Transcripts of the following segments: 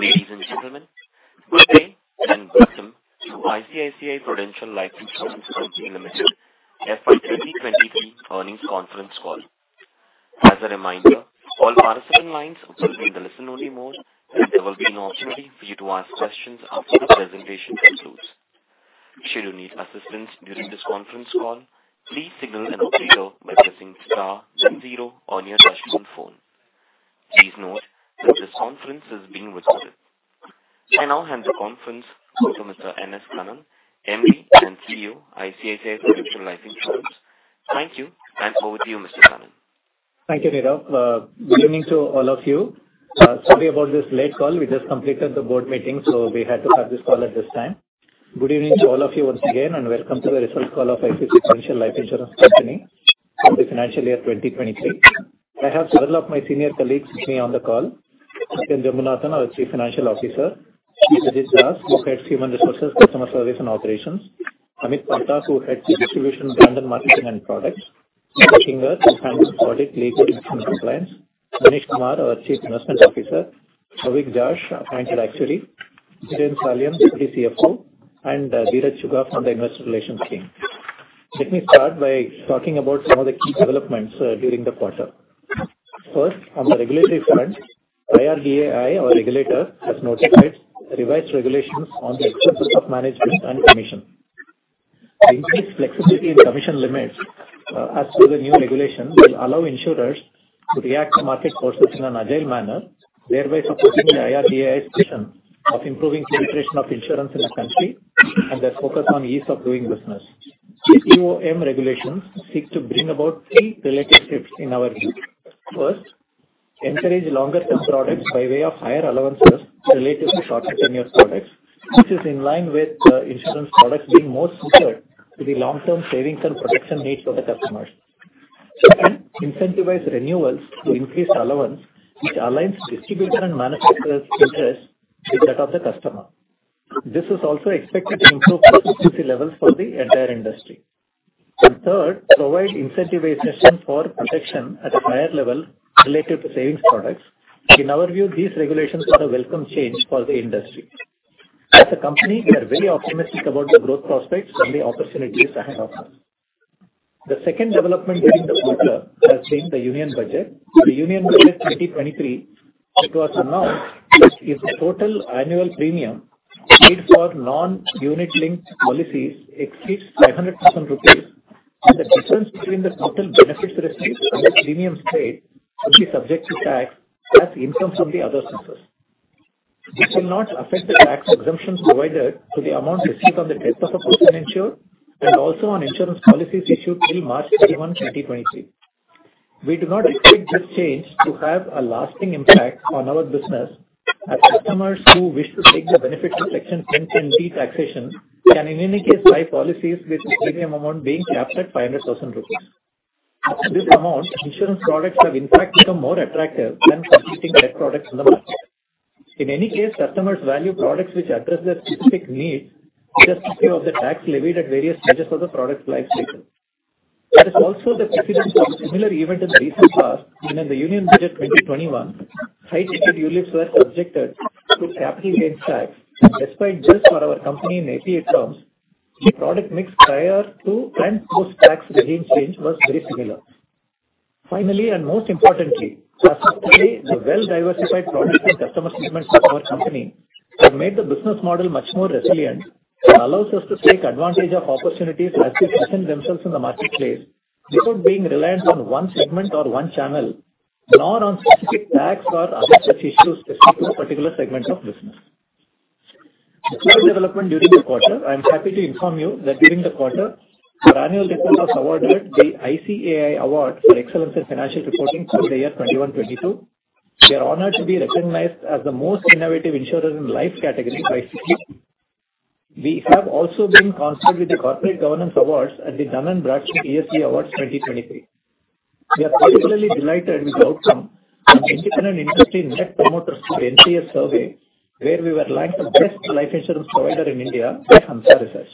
Ladies and gentlemen, good day and welcome to ICICI Prudential Life Insurance Company Limited FY 2023 Earnings Conference Call. As a reminder, all participant lines will be in the listen-only mode, and there will be an opportunity for you to ask questions after the presentation concludes. Should you need assistance during this conference call, please signal an operator by pressing star zero on your touchtone phone. Please note that this conference is being recorded. I now hand the conference over to Mr. N.S. Kannan, MD and CEO, ICICI Prudential Life Insurance. Thank you, and over to you, Mr. Kannan. Thank you, Nirav. Good evening to all of you. Sorry about this late call. We just completed the board meeting. We had to have this call at this time. Good evening to all of you once again and welcome to the results call of ICICI Prudential Life Insurance Company for the financial year 2023. I have several of my senior colleagues with me on the call. Satyan Jambunathan, our Chief Financial Officer. Judhajit Das, who heads Human Resources, Customer Service and Operations. Amit Palta, who heads the Distribution, Brand and Marketing and Products. Leena Singh, who handles Product, Legal and Compliance. Manish Kumar, our Chief Investment Officer. Avik Joshi, our Financial Actuary. Dhiren Salian, Deputy CFO, and Dheeraj Chugh from the Investor Relations team. Let me start by talking about some of the key developments during the quarter. On the regulatory front, IRDAI, our regulator, has notified revised regulations on the expenses of management and commission. Increased flexibility in commission limits, as per the new regulations will allow insurers to react to market forces in an agile manner, thereby supporting the IRDAI's mission of improving penetration of insurance in the country and their focus on ease of doing business. The EOM regulations seek to bring about 3 related shifts in our view. Encourage longer-term products by way of higher allowances related to shorter tenure products. This is in line with insurance products being more suited to the long-term savings and protection needs of the customers. Incentivize renewals to increase allowance, which aligns distributor and manufacturer's interest with that of the customer. This is also expected to improve consistency levels for the entire industry. Third, provide incentivization for protection at a higher level related to savings products. In our view, these regulations are a welcome change for the industry. As a company, we are very optimistic about the growth prospects and the opportunities ahead of us. The second development during the quarter has been the Union Budget. The Union Budget 2023 to us announced if the total annual premium paid for non-unit linked policies exceeds 500,000 rupees, then the difference between the total benefits received and the premiums paid will be subject to tax as income from the other sources. This will not affect the tax exemptions provided to the amount received on the death of a person insured and also on insurance policies issued till March 31, 2023. We do not expect this change to have a lasting impact on our business, as customers who wish to take the benefit of Section 10(10D) taxation can in any case buy policies with the premium amount being capped at 500,000 rupees. This amount, insurance products have in fact become more attractive than competing debt products in the market. In any case, customers value products which address their specific needs irrespective of the tax levied at various stages of the product lifecycle. There is also the precedent of similar event in the recent past, when in the Union Budget 2021, high ticket ULIPs were subjected to capital gains tax. Despite this, for our company in APE terms, the product mix prior to and post tax regimes change was very similar. Finally, most importantly, the well-diversified products and customer segments of our company have made the business model much more resilient and allows us to take advantage of opportunities as they present themselves in the marketplace without being reliant on one segment or one channel, nor on specific tax or other such issues specific to a particular segment of business. The third development during the quarter, I am happy to inform you that during the quarter, our annual report was awarded the ICAI Award for Excellence in Financial Reporting for the year 2021-2022. We are honored to be recognized as the most innovative insurer in life category by ICICI. We have also been conferred with the Corporate Governance Awards at the Dun & Bradstreet ESG Awards 2023. We are particularly delighted with the outcome of independent industry Net Promoter Score, NPS survey, where we were ranked the best life insurance provider in India by Hansa Research.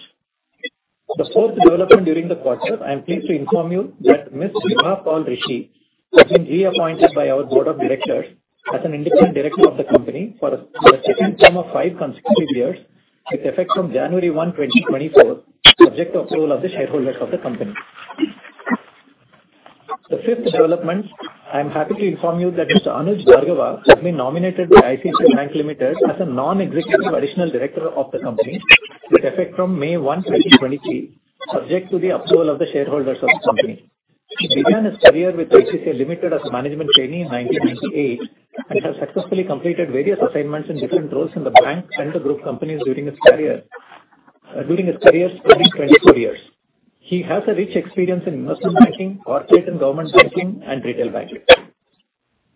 The fourth development during the quarter, I am pleased to inform you that Ms. Vibha Paul Rishi has been reappointed by our Board of Directors as an independent director of the company for the second term of five consecutive years with effect from January 1, 2024, subject to approval of the shareholders of the company. The fifth development, I am happy to inform you that Mr. Anuj Bhargava has been nominated by ICICI Bank Limited as a non-executive additional director of the company with effect from May 1, 2023, subject to the approval of the shareholders of the company. He began his career with ICICI Limited as a management trainee in 1998 and has successfully completed various assignments in different roles in the bank and the group companies during his career, during his career spanning 24 years. He has a rich experience in investment banking, corporate and government banking and retail banking.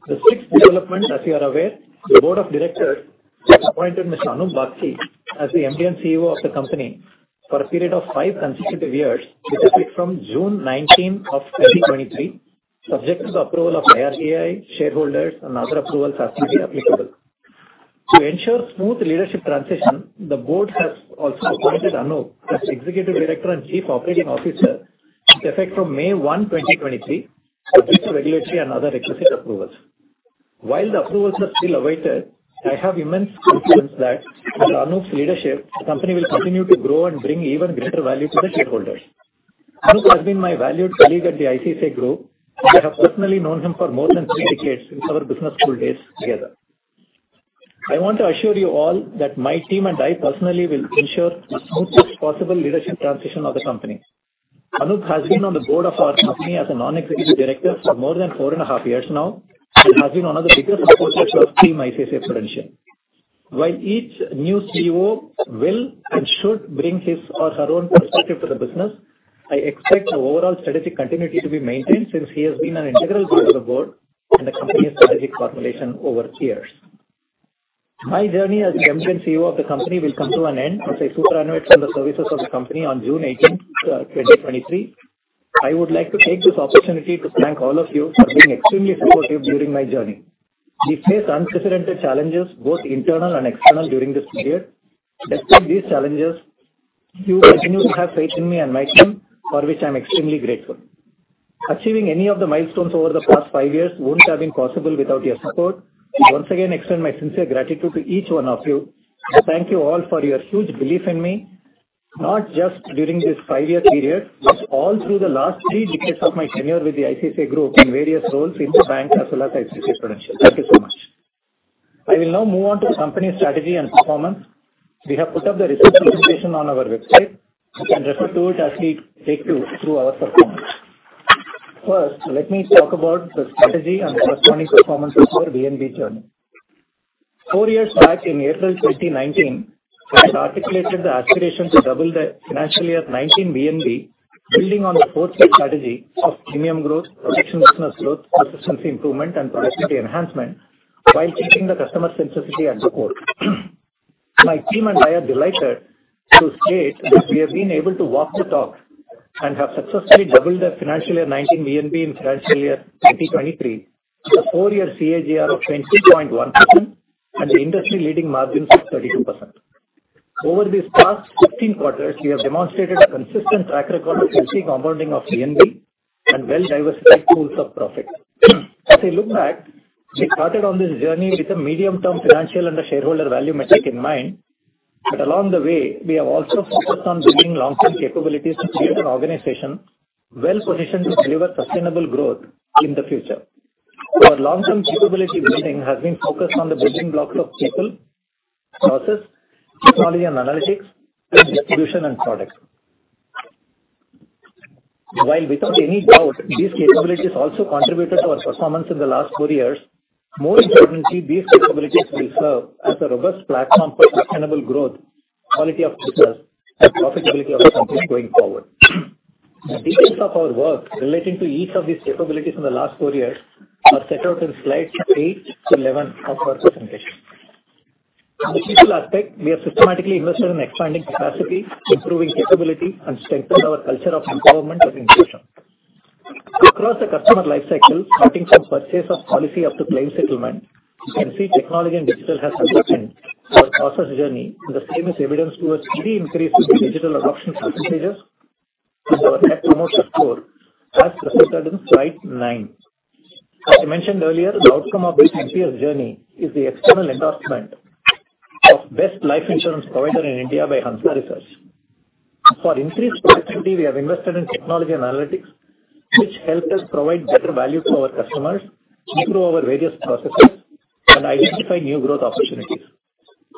The sixth development, as you are aware, the board of directors has appointed Mr. Anup Bagchi as the MD and CEO of the company for a period of five consecutive years with effect from June 19, 2023, subject to the approval of IRDAI, shareholders and other approvals as may be applicable. To ensure smooth leadership transition, the board has also appointed Anup as Executive Director and Chief Operating Officer. With effect from May 1, 2023, subject to regulatory and other requisite approvals. While the approvals are still awaited, I have immense confidence that with Anup's leadership, the company will continue to grow and bring even greater value to the shareholders. Anup has been my valued colleague at the ICICI Group. I have personally known him for more than three decades since our business school days together. I want to assure you all that my team and I personally will ensure the smoothest possible leadership transition of the company. Anup has been on the board of our company as a non-executive director for more than four and a half years now, and has been one of the biggest supporters of Team ICICI Prudential. While each new CEO will and should bring his or her own perspective to the business, I expect the overall strategic continuity to be maintained since he has been an integral part of the board and the company's strategic formulation over the years. My journey as the MD and CEO of the company will come to an end as I superannuate from the services of the company on June eighteenth, 2023. I would like to take this opportunity to thank all of you for being extremely supportive during my journey. We faced unprecedented challenges both internal and external during this period. Despite these challenges, you continued to have faith in me and my team, for which I'm extremely grateful. Achieving any of the milestones over the past five years wouldn't have been possible without your support. I once again extend my sincere gratitude to each one of you and thank you all for your huge belief in me, not just during this five-year period, but all through the last three decades of my tenure with the ICICI Group in various roles in the bank as well as ICICI Prudential. Thank you so much. I will now move on to the company's strategy and performance. We have put up the research presentation on our website. You can refer to it as we take you through our performance. First, let me talk about the strategy and corresponding performance of our VNB journey. Four years back in April 2019, I had articulated the aspiration to double the financial year 2019 VNB, building on the four-step strategy of premium growth, protection business growth, persistency improvement, and productivity enhancement, while keeping the customer sensitivity at the core. My team and I are delighted to state that we have been able to walk the talk and have successfully doubled the financial year 19 VNB in financial year 2023 with a four year CAGR of 20.1% and the industry-leading margins of 32%. Over these past 15 quarters, we have demonstrated a consistent track record of healthy compounding of VNB and well-diversified pools of profit. As we look back, we started on this journey with a medium-term financial and a shareholder value metric in mind. Along the way, we have also focused on building long-term capabilities to create an organization well-positioned to deliver sustainable growth in the future. Our long-term capability building has been focused on the building blocks of people, process, technology and analytics, and distribution and products. While without any doubt, these capabilities also contributed to our performance in the last four years, more importantly, these capabilities will serve as a robust platform for sustainable growth, quality of business, and profitability of the company going forward. The details of our work relating to each of these capabilities in the last four years are set out in slides eight to 11 of our presentation. On the people aspect, we have systematically invested in expanding capacity, improving capability, and strengthened our culture of empowerment and inclusion. Across the customer lifecycle, starting from purchase of policy up to claim settlement, you can see technology and digital has strengthened our process journey, and the same is evident through a steady increase in the digital adoption percentages and our net promoter score as presented in slide nine. As I mentioned earlier, the outcome of this entire journey is the external endorsement of best life insurance provider in India by Hansa Research. For increased productivity, we have invested in technology and analytics, which helped us provide better value to our customers, improve our various processes, and identify new growth opportunities.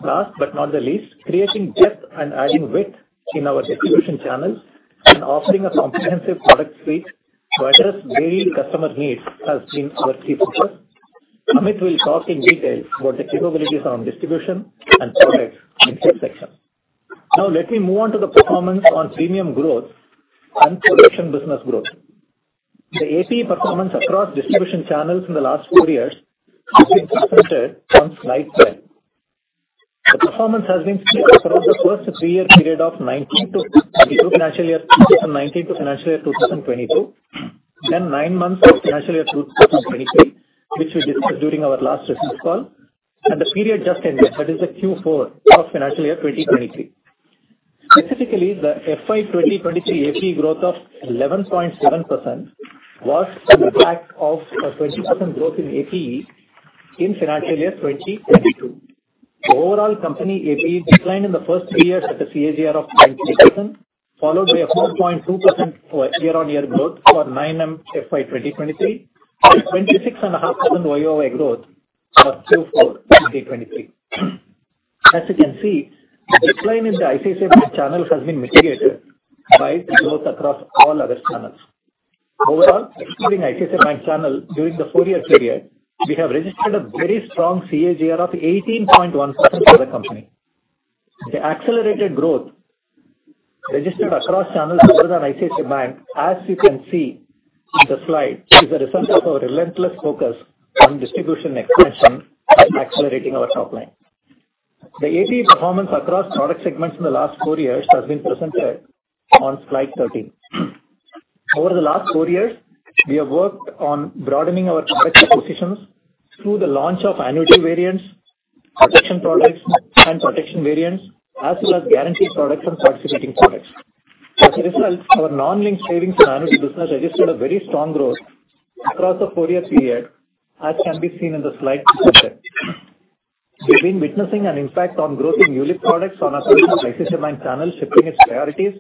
Last but not the least, creating depth and adding width in our distribution channels and offering a comprehensive product suite to address varied customer needs has been our key focus. Amit will talk in detail about the capabilities on distribution and products in his section. Let me move on to the performance on premium growth and protection business growth. The APE performance across distribution channels in the last four years has been presented on slide 10. The performance has been split across the first three-year period of financial year 2019 to financial year 2022. Nine months of financial year 2023, which we discussed during our last earnings call, and the period just ended, that is the Q4 of financial year 2023. Specifically, the FY 2023 APE growth of 11.7% was on the back of a 20% growth in APE in financial year 2022. The overall company APE declined in the first three years at a CAGR of 9%, followed by a 4.2% year-on-year growth for 9MFY 2023 and 26.5% YOY growth for Q4 2023. As you can see, the decline in the ICICI Bank channel has been mitigated by the growth across all other channels. Overall, excluding ICICI Bank channel, during the four-year period, we have registered a very strong CAGR of 18.1% for the company. The accelerated growth registered across channels other than ICICI Bank, as you can see on the slide, is a result of our relentless focus on distribution expansion and accelerating our top line. The APE performance across product segments in the last four years has been presented on slide 13. Over the last four years, we have worked on broadening our product positions through the launch of annuity variants, protection products and protection variants, as well as guarantee products and participating products. As a result, our non-linked savings and annuity business registered a very strong growth across the four-year period, as can be seen in the slide presented. We've been witnessing an impact on growth in ULIP products on account of life insurance channels shifting its priorities,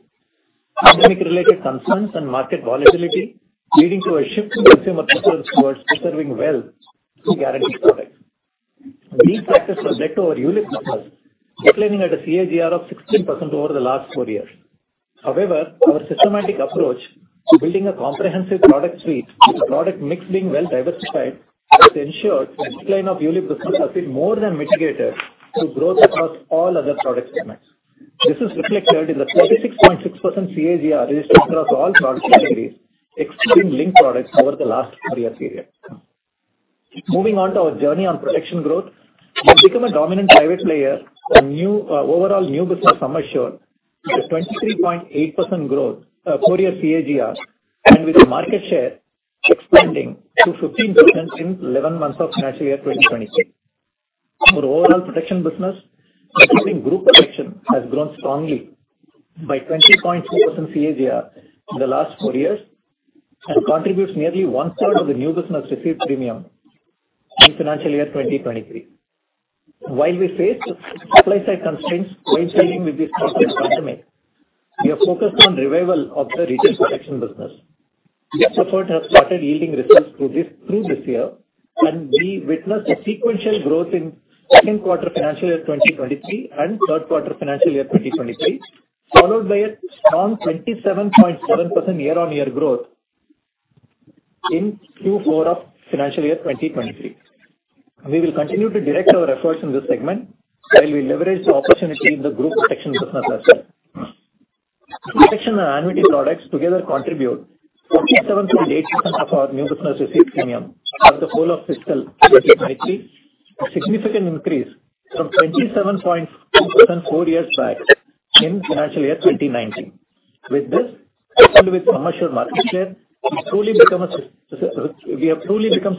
pandemic-related concerns and market volatility, leading to a shift in consumer concerns towards preserving wealth through guarantee products. These factors have led to our ULIP business declining at a CAGR of 16% over the last four years. However, our systematic approach to building a comprehensive product suite with the product mix being well-diversified has ensured the decline of ULIP business has been more than mitigated through growth across all other product segments. This is reflected in the 36.6% CAGR registered across all product categories, excluding linked products over the last four year period. Moving on to our journey on protection growth. We've become a dominant private player and overall new business from Bancassurance with a 23.8% growth, four-year CAGR, and with a market share expanding to 15% in 11 months of financial year 2023. For the overall protection business, individual group protection has grown strongly by 20.2% CAGR in the last four years and contributes nearly 1/3 of the new business received premium in financial year 2023. While we face supply-side constraints co-insuring with this product segment, we are focused on revival of the retail protection business. This effort has started yielding results through this year, and we witnessed a sequential growth in second quarter financial year 2023 and third quarter financial year 2023, followed by a strong 27.7% year-on-year growth in Q4 of financial year 2023. We will continue to direct our efforts in this segment while we leverage the opportunity in the group protection business as well. Protection and annuity products together contribute 47.8% of our new business received premium for the whole of fiscal 2023, a significant increase from 27.2% four years back in financial year 2019. With this, coupled with commercial market share, we've truly become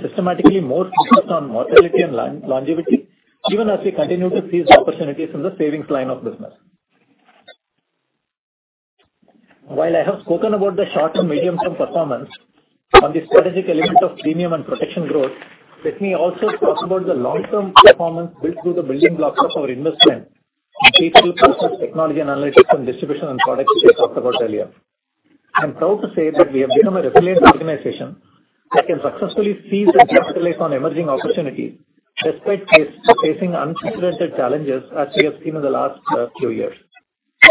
systematically more focused on mortality and longevity, even as we continue to seize opportunities in the savings line of business. While I have spoken about the short-term, medium-term performance on the strategic element of premium and protection growth, let me also talk about the long-term performance built through the building blocks of our investment in people, process, technology and analytics, and distribution and products we talked about earlier. I'm proud to say that we have become a resilient organization that can successfully seize and capitalize on emerging opportunities despite facing unprecedented challenges, as we have seen in the last few years.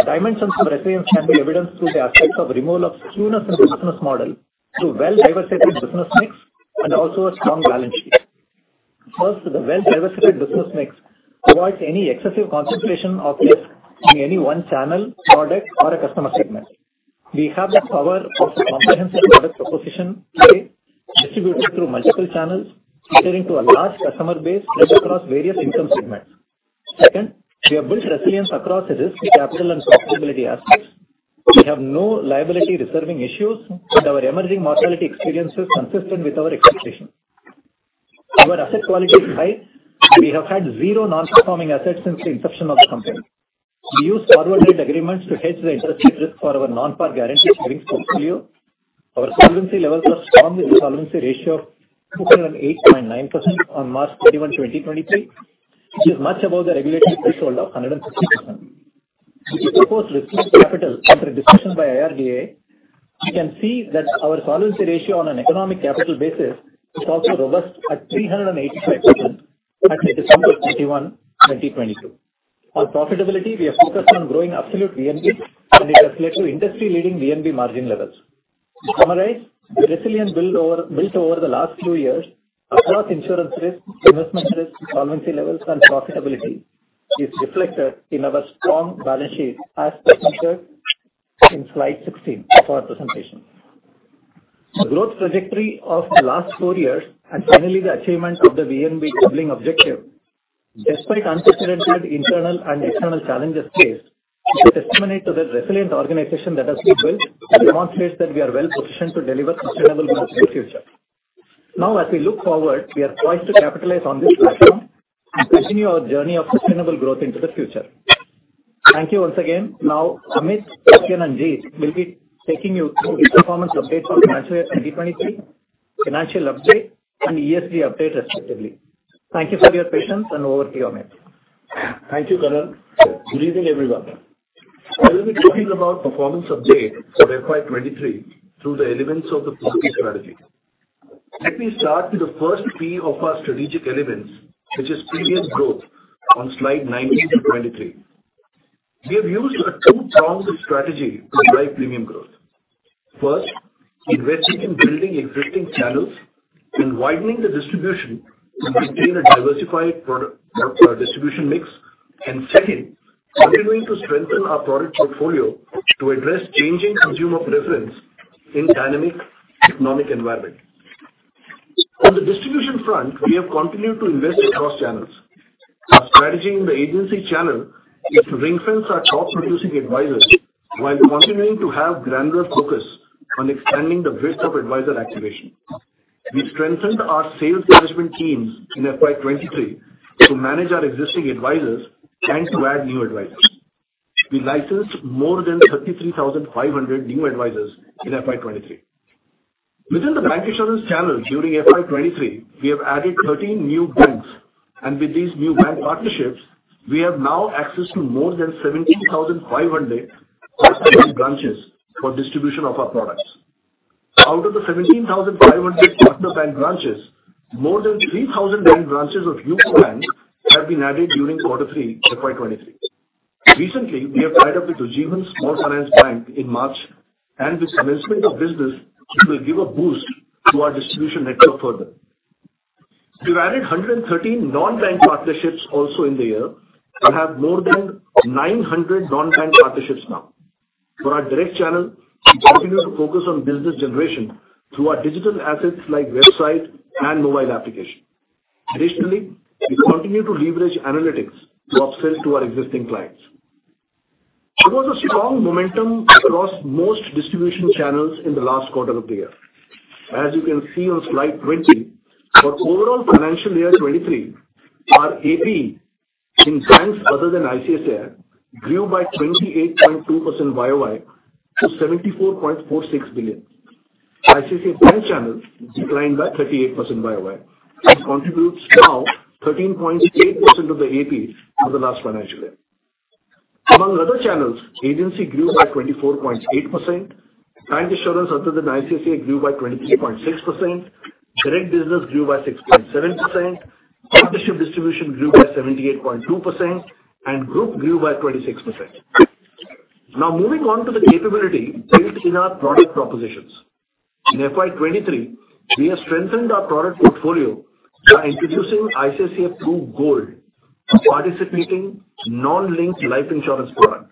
Dimensions of resilience can be evidenced through the aspects of removal of skewness in business model through well-diversified business mix and also a strong balance sheet. First, the well-diversified business mix avoids any excessive concentration of risk in any one channel, product or a customer segment. We have the power of a comprehensive product proposition today distributed through multiple channels, catering to a large customer base spread across various income segments. Second, we have built resilience across risk, capital and profitability aspects. We have no liability reserving issues, and our emerging mortality experience is consistent with our expectations. Our asset quality is high, and we have had zero non-performing assets since the inception of the company. We use forward rate agreements to hedge the interest rate risk for our non-par guarantee savings portfolio. Our solvency levels are strong, with a solvency ratio of 208.9% on March 31, 2023, which is much above the regulatory threshold of 150%. If we propose risky capital under discussion by IRDAI, we can see that our solvency ratio on an economic capital basis is also robust at 382% as at December 31, 2022. On profitability, we are focused on growing absolute VNB, and it has led to industry-leading VNB Margin levels. To summarize, the resilience built over the last few years across insurance risk, investment risk, solvency levels and profitability is reflected in our strong balance sheet, as per pictured in slide 16 of our presentation. The growth trajectory of the last four years and finally the achievement of the VNB doubling objective despite unprecedented internal and external challenges faced is a testimony to the resilient organization that has been built that demonstrates that we are well-positioned to deliver sustainable growth in the future. Now, as we look forward, we are poised to capitalize on this platform and continue our journey of sustainable growth into the future. Thank you once again. Now, Amit, Satyan and Jit will be taking you through the performance updates for financial year 2023, financial update and ESG update respectively. Thank you for your patience, and over to you, Amit. Thank you, Kanan. Good evening, everyone. I will be talking about performance update for FY23 through the elements of the four P strategy. Let me start with the first P of our strategic elements, which is premium growth on slide 19 to 23. We have used a two-pronged strategy to drive premium growth. First, investing in building existing channels and widening the distribution to maintain a diversified product distribution mix. Second, continuing to strengthen our product portfolio to address changing consumer preference in dynamic economic environment. On the distribution front, we have continued to invest across channels. Our strategy in the agency channel is to ring-fence our top producing advisors while continuing to have granular focus on expanding the breadth of advisor activation. We strengthened our sales management teams in FY23 to manage our existing advisors and to add new advisors. We licensed more than 33,500 new advisors in FY 2023. Within the Bancassurance channel during FY 2023, we have added 13 new banks, and with these new bank partnerships, we have now access to more than 17,500 partner bank branches for distribution of our products. Out of the 17,500 partner bank branches, more than 3,000 bank branches of new banks have been added during Q3, FY 2023. Recently, we have tied up with Ujjivan Small Finance Bank in March, and with commencement of business, it will give a boost to our distribution network further. We've added 113 non-bank partnerships also in the year and have more than 900 non-bank partnerships now. For our direct channel, we continue to focus on business generation through our digital assets like website and mobile application. Additionally, we continue to leverage analytics to upsell to our existing clients. There was a strong momentum across most distribution channels in the last quarter of the year. As you can see on slide 20, for overall financial year 2023, our APE in banks other than ICICI grew by 28.2% YOY to 74.46 billion. ICICI Bank channel declined by 38% YOY and contributes now 13.8% of the APE for the last financial year. Among other channels, agency grew by 24.8%, tied insurance under the ICICI grew by 23.6%, direct business grew by 6.7%, partnership distribution grew by 78.2%, and group grew by 26%. Now moving on to the capability built in our product propositions. In FY 2023, we have strengthened our product portfolio by introducing ICICI Pru Gold, a participating non-linked life insurance product.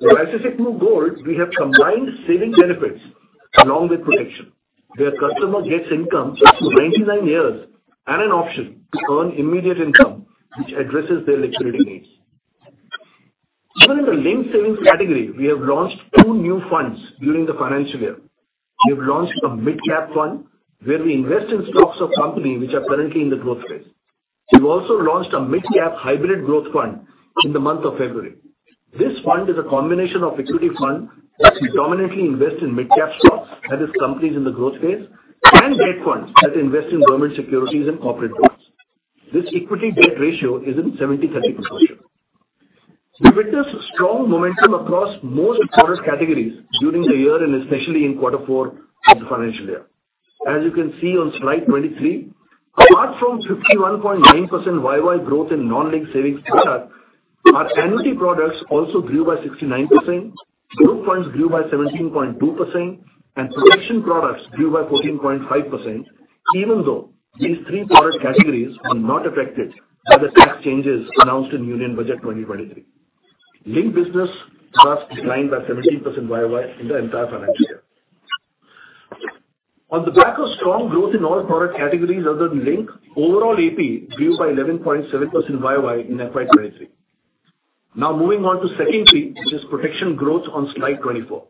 With ICICI Pru Gold, we have combined savings benefits along with protection, where customer gets income up to 99 years and an option to earn immediate income, which addresses their liquidity needs. Even in the linked savings category, we have launched two new funds during the financial year. We have launched a mid-cap fund where we invest in stocks of company which are currently in the growth phase. We've also launched a mid-cap hybrid growth fund in the month of February. This fund is a combination of equity fund that we dominantly invest in mid-cap stocks, that is companies in the growth phase, and debt funds that invest in government securities and corporate bonds. This equity debt ratio is in 70/30%. We witnessed strong momentum across most product categories during the year and especially in quarter four of the financial year. As you can see on slide 23, apart from 51.9% YOY growth in non-linked savings product, our annuity products also grew by 69%, group funds grew by 17.2%, and protection products grew by 14.5%, even though these three product categories are not affected by the tax changes announced in Union Budget 2023. Linked business thus declined by 17% YOY in the entire financial year. On the back of strong growth in all product categories other than linked, overall APE grew by 11.7% YOY in FY 2023. Now moving on to second P, which is protection growth on slide 24.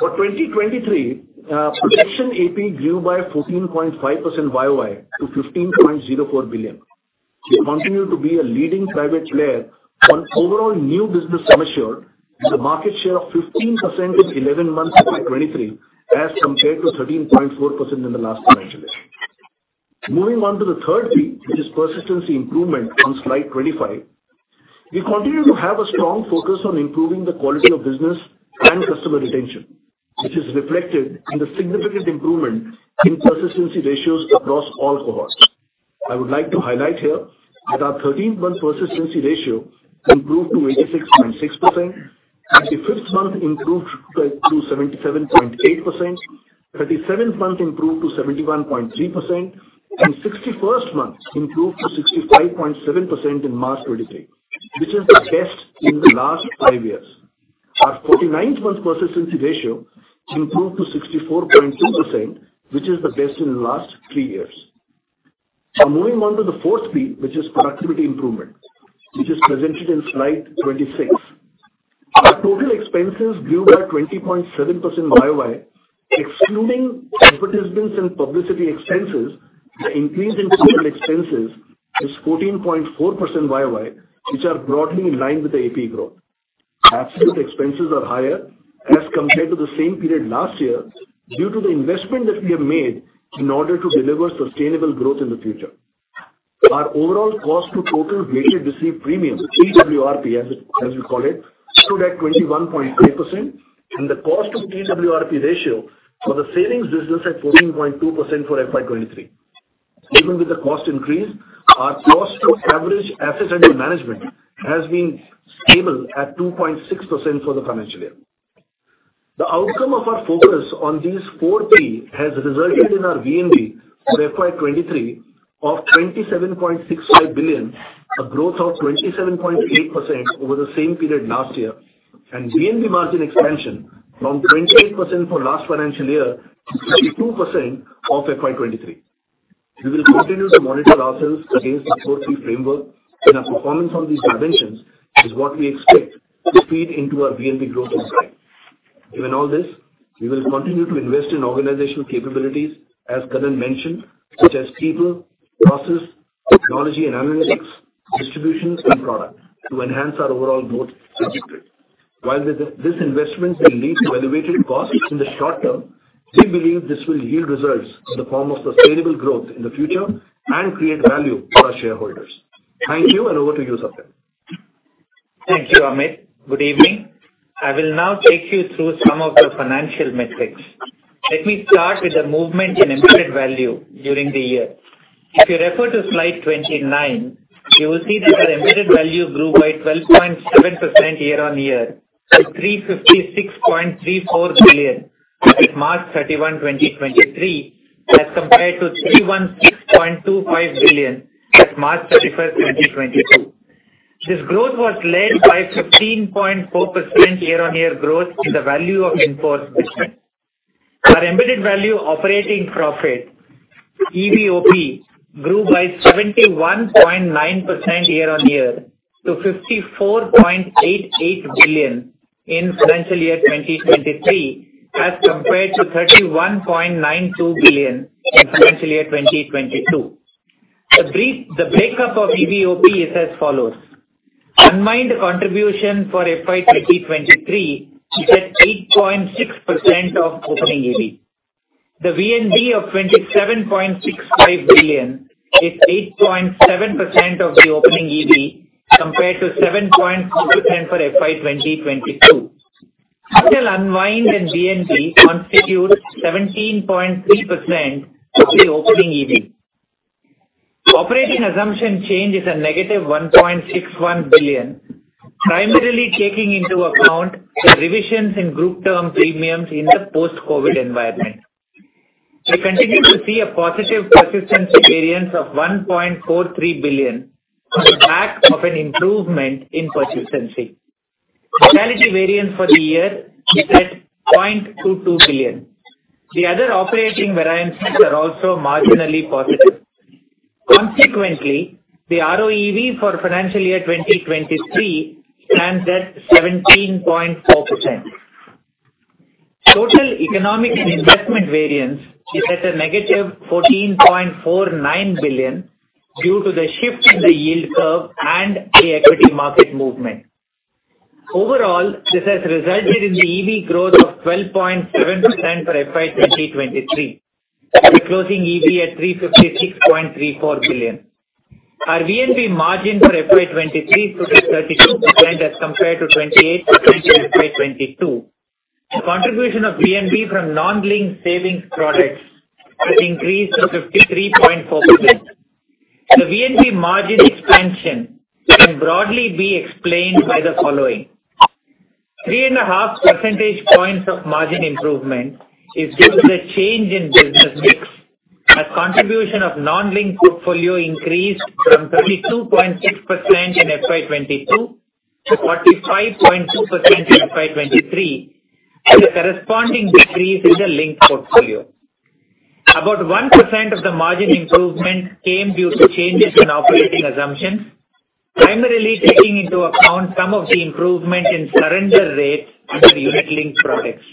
For 2023, protection APE grew by 14.5% YOY to 15.04 billion. We continue to be a leading private player on overall new business assured with a market share of 15% in 11 months FY 2023 as compared to 13.4% in the last financial year. Moving on to the third P, which is persistency improvement on slide 25. We continue to have a strong focus on improving the quality of business and customer retention, which is reflected in the significant improvement in persistency ratios across all cohorts. I would like to highlight here that our 13-month persistency ratio improved to 86.6%. 35th month improved to 77.8%. 37th month improved to 71.3%, and 61st month improved to 65.7% in March 2023, which is the best in the last five years. Our 49th month persistency ratio improved to 64.2%, which is the best in the last three years. Now moving on to the 4th P, which is productivity improvement, which is presented in slide 26. Our total expenses grew by 20.7% YOY. Excluding advertisements and publicity expenses, the increase in total expenses is 14.4% YOY, which are broadly in line with the APE growth. Absolute expenses are higher as compared to the same period last year due to the investment that we have made in order to deliver sustainable growth in the future. Our overall cost to total weighted received premium, CWRP as we call it, stood at 21.3% and the cost to CWRP ratio for the savings business at 14.2% for FY23. Even with the cost increase, our cost to average assets under management has been stable at 2.6% for the financial year. The outcome of our focus on these four P has resulted in our GNV for FY23 of 27.65 billion, a growth of 27.8% over the same period last year, and GNV margin expansion from 28% for last financial year to 32% of FY23. We will continue to monitor ourselves against the four key framework, and our performance on these dimensions is what we expect to feed into our VNB growth insight. Given all this, we will continue to invest in organizational capabilities, as Kannan mentioned, such as people, process, technology and analytics, distributions and product to enhance our overall growth trajectory. While this investment will lead to elevated costs in the short term, we believe this will yield results in the form of sustainable growth in the future and create value for our shareholders. Thank you. Over to you, Satyan. Thank you, Amit. Good evening. I will now take you through some of the financial metrics. Let me start with the movement in embedded value during the year. If you refer to slide 29, you will see that our embedded value grew by 12.7% year-on-year to 356.34 billion at March 31, 2023, as compared to 316.25 billion at March 31, 2022. This growth was led by 15.4% year-on-year growth in the value of in-force business. Our embedded value operating profit, EVOP, grew by 71.9% year-on-year to 54.88 billion in financial year 2023, as compared to 31.92 billion in financial year 2022. The breakup of EVOP is as follows: Unwind contribution for FY 2023 is at 8.6% of opening EV. The VNB of 27.65 billion is 8.7% of the opening EV compared to 7.4% for FY 2022. Total unwind and VNB constitute 17.3% of the opening EV. Operating assumption change is a negative 1.61 billion, primarily taking into account the revisions in group term premiums in the post-COVID environment. We continue to see a positive persistency variance of 1.43 billion on the back of an improvement in persistency. Mortality variance for the year is at 0.22 billion. The other operating variances are also marginally positive. Consequently, the ROEV for financial year 2023 stands at 17.4%. Total economic and investment variance is at a negative 14.49 billion due to the shift in the yield curve and the equity market movement. Overall, this has resulted in the EV growth of 12.7% for FY 2023, with a closing EV at 356.34 billion. Our VNB margin for FY 23 stood at 32% as compared to 28% in FY 22. The contribution of VNB from non-linked savings products has increased to 53.4%. The VNB margin expansion can broadly be explained by the following. 3.5 percentage points of margin improvement is due to the change in business mix, as contribution of non-linked portfolio increased from 32.6% in FY 22 to 45.2% in FY 23, and a corresponding decrease in the linked portfolio. About 1% of the margin improvement came due to changes in operating assumptions, primarily taking into account some of the improvement in surrender rates under unit-linked products.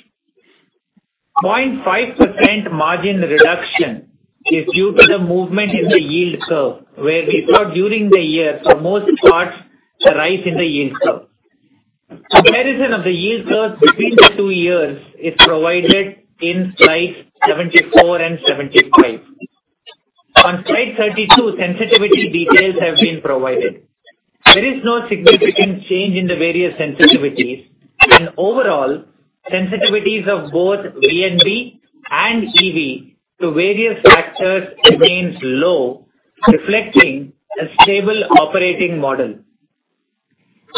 0.5% margin reduction is due to the movement in the yield curve, where we saw during the year, for most parts, a rise in the yield curve. A comparison of the yield curve between the two years is provided in slide 74 and 75. On slide 32, sensitivity details have been provided. There is no significant change in the various sensitivities, and overall, sensitivities of both VNB and EV to various factors remains low, reflecting a stable operating model.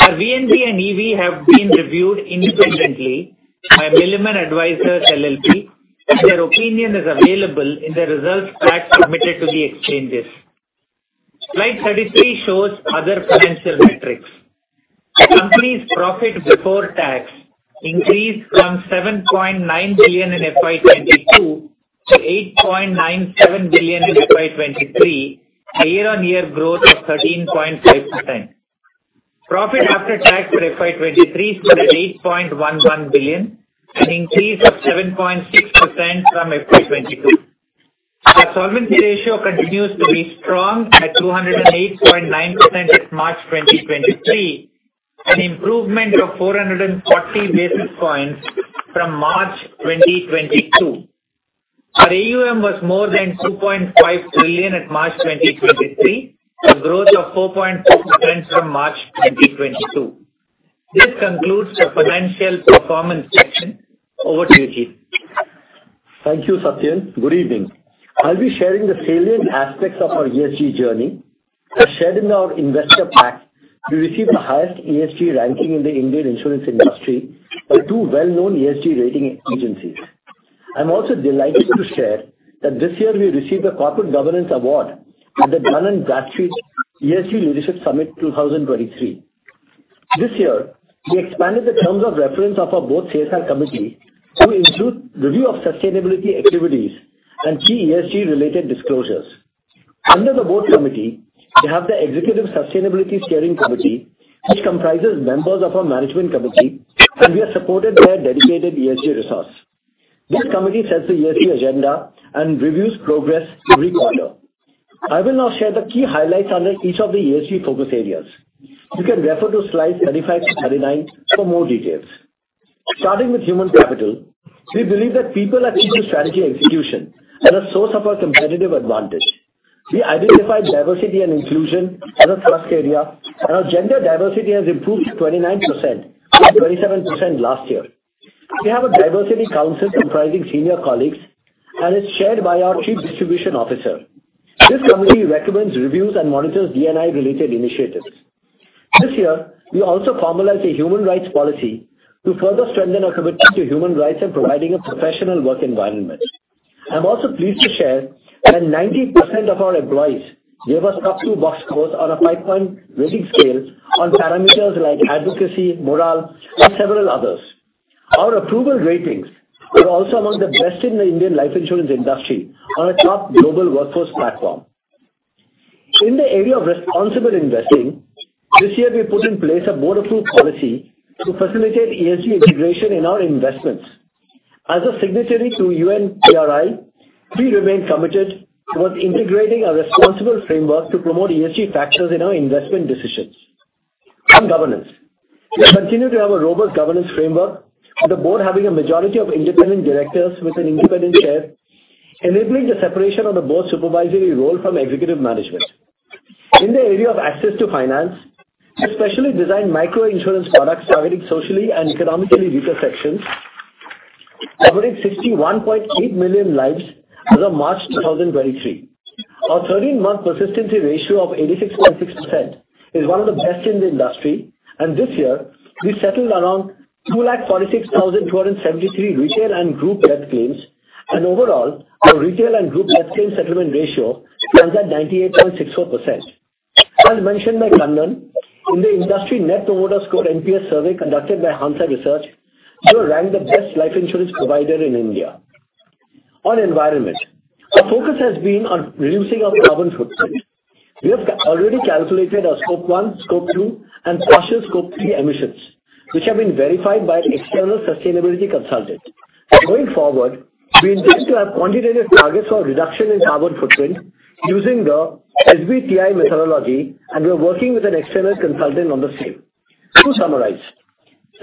Our VNB and EV have been reviewed independently by Milliman Advisors LLP, and their opinion is available in the results pack submitted to the exchanges. Slide 33 shows other financial metrics. Company's profit before tax increased from 7.9 billion in FY22 to 8.97 billion in FY23, a year-on-year growth of 13.5%. Profit after tax for FY23 stood at 8.11 billion, an increase of 7.6% from FY22. Our solvency ratio continues to be strong at 208.9% at March 2023, an improvement of 440 basis points from March 2022. Our AUM was more than 2.5 trillion at March 2023, a growth of 4.6% from March 2022. This concludes the financial performance section. Over to you, Jit. Thank you, Satyan. Good evening. I'll be sharing the salient aspects of our ESG journey. As shared in our investor pack, we received the highest ESG ranking in the Indian insurance industry by two well-known ESG rating agencies. I'm also delighted to share that this year we received a corporate governance award at the Dun & Bradstreet ESG Leadership Summit 2023. This year, we expanded the terms of reference of our board CSR committee to include review of sustainability activities and key ESG related disclosures. Under the board committee, we have the Executive Sustainability Steering Committee, which comprises members of our management committee, and we are supported by a dedicated ESG resource. This committee sets the ESG agenda and reviews progress every quarter. I will now share the key highlights under each of the ESG focus areas. You can refer to slides 35 to 39 for more details. Starting with human capital, we believe that people are key to strategy execution and a source of our competitive advantage. We identified diversity and inclusion as a thrust area, and our gender diversity has improved to 29% from 27% last year. We have a diversity council comprising senior colleagues, and it's chaired by our Chief Distribution Officer. This committee recommends reviews and monitors D&I related initiatives. This year, we also formalized a human rights policy to further strengthen our commitment to human rights and providing a professional work environment. I'm also pleased to share that 90% of our employees gave us up to box scores on a five point rating scale on parameters like advocacy, morale, and several others. Our approval ratings were also among the best in the Indian life insurance industry on a top global workforce platform. In the area of responsible investing, this year we put in place a border-proof policy to facilitate ESG integration in our investments. As a signatory to UNPRI, we remain committed towards integrating a responsible framework to promote ESG factors in our investment decisions. On governance, we continue to have a robust governance framework, with the board having a majority of independent directors with an independent chair, enabling the separation of the board's supervisory role from executive management. In the area of access to finance, we specially designed micro-insurance products targeting socially and economically weaker sections, covering 61.8 million lives as of March 2023. Our 13-month persistency ratio of 86.6% is one of the best in the industry. This year, we settled around 2,46,273 retail and group death claims. Overall, our retail and group death claim settlement ratio stands at 98.64%. As mentioned by Nandan, in the industry Net Promoter Score, NPS, survey conducted by Hansa Research, we were ranked the best life insurance provider in India. On environment, our focus has been on reducing our carbon footprint. We have already calculated our scope one, scope two, and partial scope three emissions, which have been verified by an external sustainability consultant. Going forward, we intend to have quantitative targets for reduction in carbon footprint using the SBTi methodology, and we are working with an external consultant on the same. To summarize,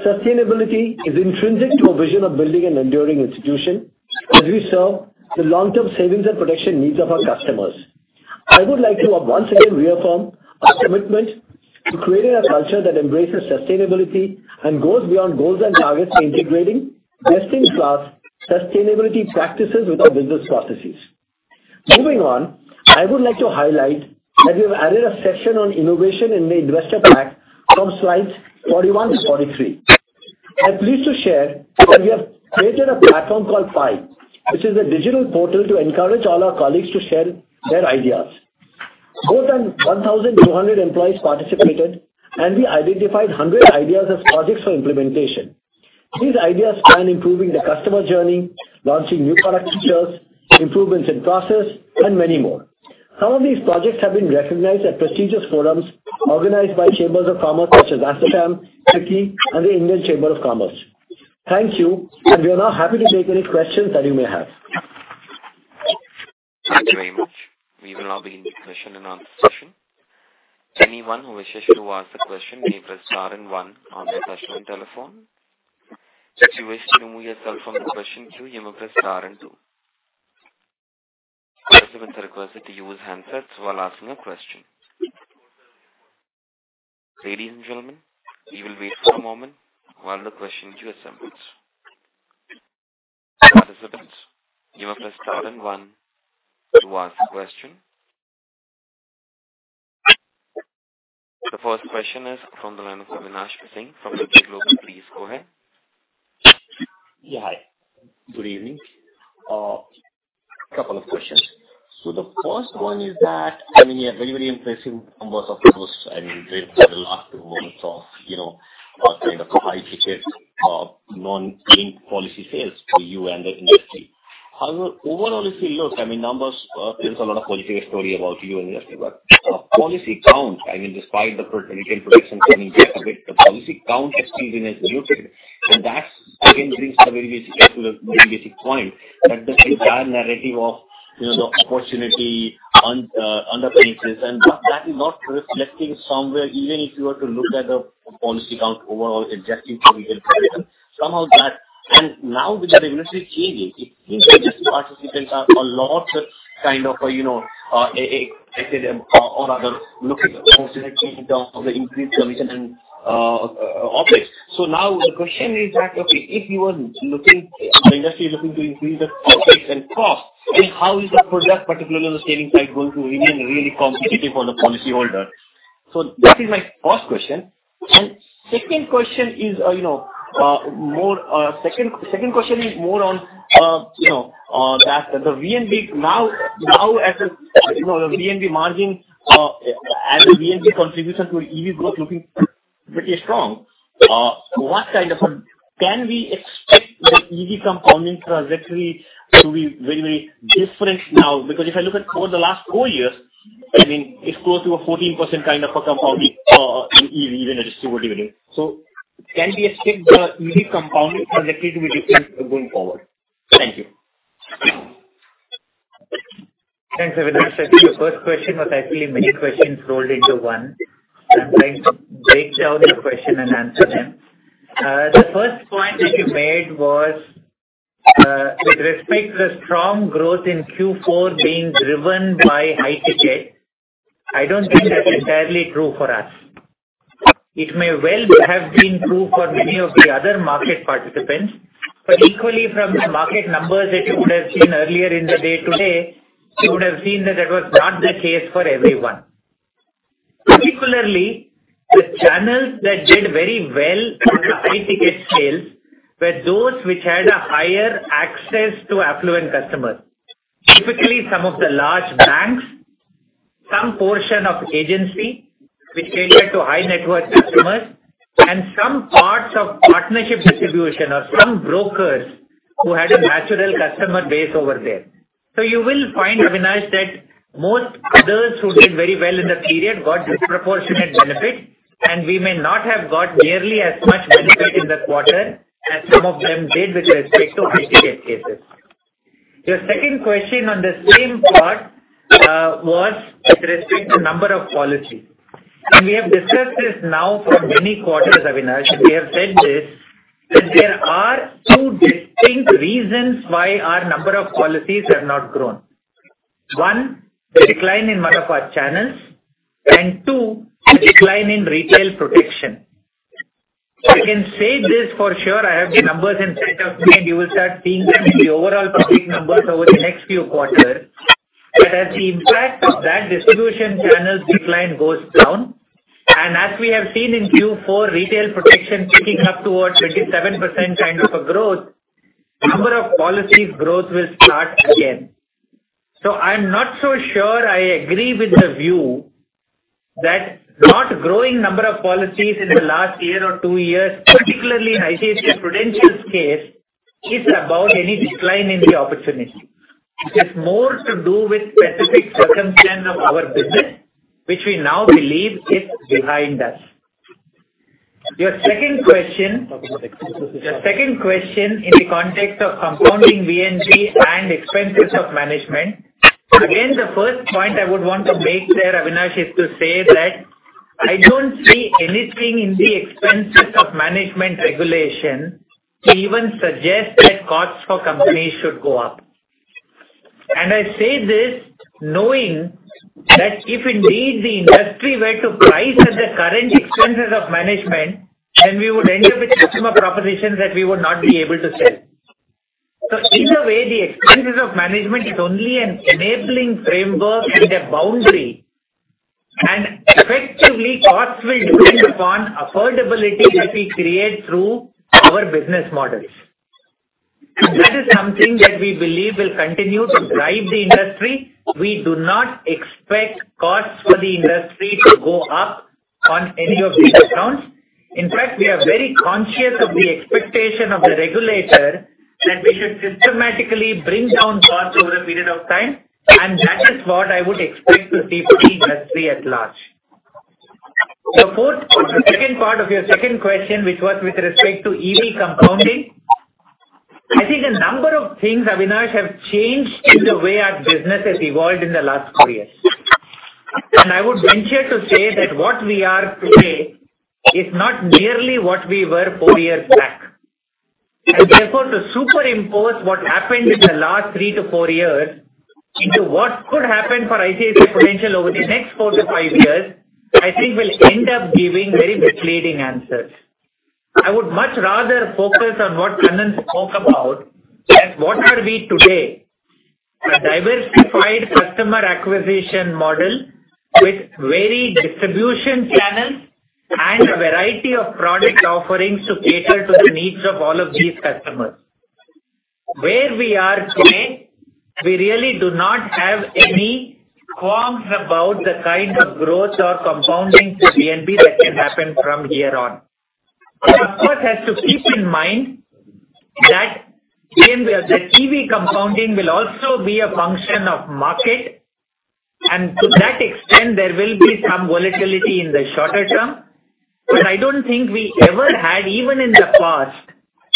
sustainability is intrinsic to our vision of building an enduring institution as we serve the long-term savings and protection needs of our customers. I would like to once again reaffirm our commitment to creating a culture that embraces sustainability and goes beyond goals and targets, integrating best-in-class sustainability practices with our business processes. Moving on, I would like to highlight that we have added a section on innovation in the investor pack from slides 41-43. I'm pleased to share that we have created a platform called Pi, which is a digital portal to encourage all our colleagues to share their ideas. More than 1,200 employees participated, and we identified 100 ideas as projects for implementation. These ideas span improving the customer journey, launching new product features, improvements in process, and many more. Some of these projects have been recognized at prestigious forums organized by chambers of commerce such as ASSOCHAM, FICCI, and the Indian Chamber of Commerce. Thank you, and we are now happy to take any questions that you may have. Thank you very much. We will now begin the question and answer session. Anyone who wishes to ask a question may press star and one on their touchtone telephone. If you wish to remove yourself from the question queue, you may press star and two. Participants are requested to use handsets while asking a question. Ladies and gentlemen, we will wait for a moment while the question queue assembles. Participants, you may press star and one to ask a question. The first question is from the line of Avinash Singh from Emkay Global. Please go ahead. Yeah. Hi. Good evening. couple of questions. The first one is that, I mean, yeah, very, very impressive numbers, of course, and we've had the last two months of, you know, kind of high-ticket, non-linked policy sales for you and the industry. However, overall, if you look, I mean, numbers, tells a lot of positive story about you and the industry, but, policy count, I mean, despite the retail penetration coming just a bit, the policy count has still been diluted. That again brings me very basic to the very basic point that the entire narrative of, you know, the opportunity on underpenetration but that is not reflecting somewhere, even if you were to look at the policy count overall, it's adjusting for retail penetration, somehow. Now with the industry changing, it seems like just the participants are a lot kind of, you know, or rather looking at the opportunity in terms of the increased commission and office. Now the question is that, okay, our industry is looking to increase the office and cost, then how is the product, particularly on the savings side, going to remain really competitive for the policyholder? That is my first question. Second question is more. Second question is more on, you know, that the VNB. You know, the VNB margin, as a VNB contribution to EV growth looking pretty strong. Can we expect the EV compounding trajectory to be very, very different now? If I look at over the last four years, I mean, it's close to a 14% kind of a compounding, even adjusted whatever. Can we expect the EV compounding trajectory to be different going forward? Thank you. Thanks, Avinash. Your first question was actually many questions rolled into one. I'm trying to break down your question and answer them. The first point that you made was with respect to the strong growth in Q4 being driven by high ticket. I don't think that's entirely true for us. It may well have been true for many of the other market participants, equally from the market numbers that you would have seen earlier in the day today, you would have seen that that was not the case for everyone. Particularly the channels that did very well on the high ticket sales were those which had a higher access to affluent customers. Typically some of the large banks, some portion of agency which cater to high-net-worth customers and some parts of partnership distribution or some brokers who had a natural customer base over there. You will find, Avinash, that most others who did very well in that period got disproportionate benefit, and we may not have got nearly as much benefit in that quarter as some of them did with respect to high ticket cases. Your second question on the same part was with respect to number of policy, and we have discussed this now for many quarters, Avinash. We have said this, that there are two distinct reasons why our number of policies have not grown. One, the decline in one of our channels, and two, a decline in retail protection. I can say this for sure, I have the numbers in front of me, and you will start seeing them in the overall public numbers over the next few quarters. As the impact of that distribution channels decline goes down, and as we have seen in Q4, retail protection ticking up towards 27% kind of a growth, number of policy growth will start again. I'm not so sure I agree with the view that not growing number of policies in the last year or two years, particularly in ICICI Prudential's case, is about any decline in the opportunity. It is more to do with specific circumstance of our business, which we now believe is behind us. Your second question. Talk about expenses. Your second question in the context of compounding VNB and expenses of management. The first point I would want to make there, Avinash, is to say that I don't see anything in the expenses of management regulation to even suggest that costs for companies should go up. I say this knowing that if indeed the industry were to price at the current expenses of management, then we would end up with customer propositions that we would not be able to sell. In a way, the expenses of management is only an enabling framework and a boundary, and effectively costs will depend upon affordability that we create through our business models. That is something that we believe will continue to drive the industry. We do not expect costs for the industry to go up on any of these accounts. In fact, we are very conscious of the expectation of the regulator that we should systematically bring down costs over a period of time, and that is what I would expect to see for the industry at large. The fourth or the second part of your second question, which was with respect to EV compounding. I think a number of things, Avinash, have changed in the way our business has evolved in the last four years. I would venture to say that what we are today is not nearly what we were four years back. Therefore, to superimpose what happened in the last three to four years into what could happen for ICICI Prudential over the next four to five years, I think will end up giving very misleading answers. I would much rather focus on what Kannan spoke about and what are we today. A diversified customer acquisition model with varied distribution channels and a variety of product offerings to cater to the needs of all of these customers. Where we are today, we really do not have any qualms about the kind of growth or compounding to VNB that can happen from here on. One, of course, has to keep in mind that again, the EV compounding will also be a function of market. To that extent, there will be some volatility in the shorter term. I don't think we ever had, even in the past,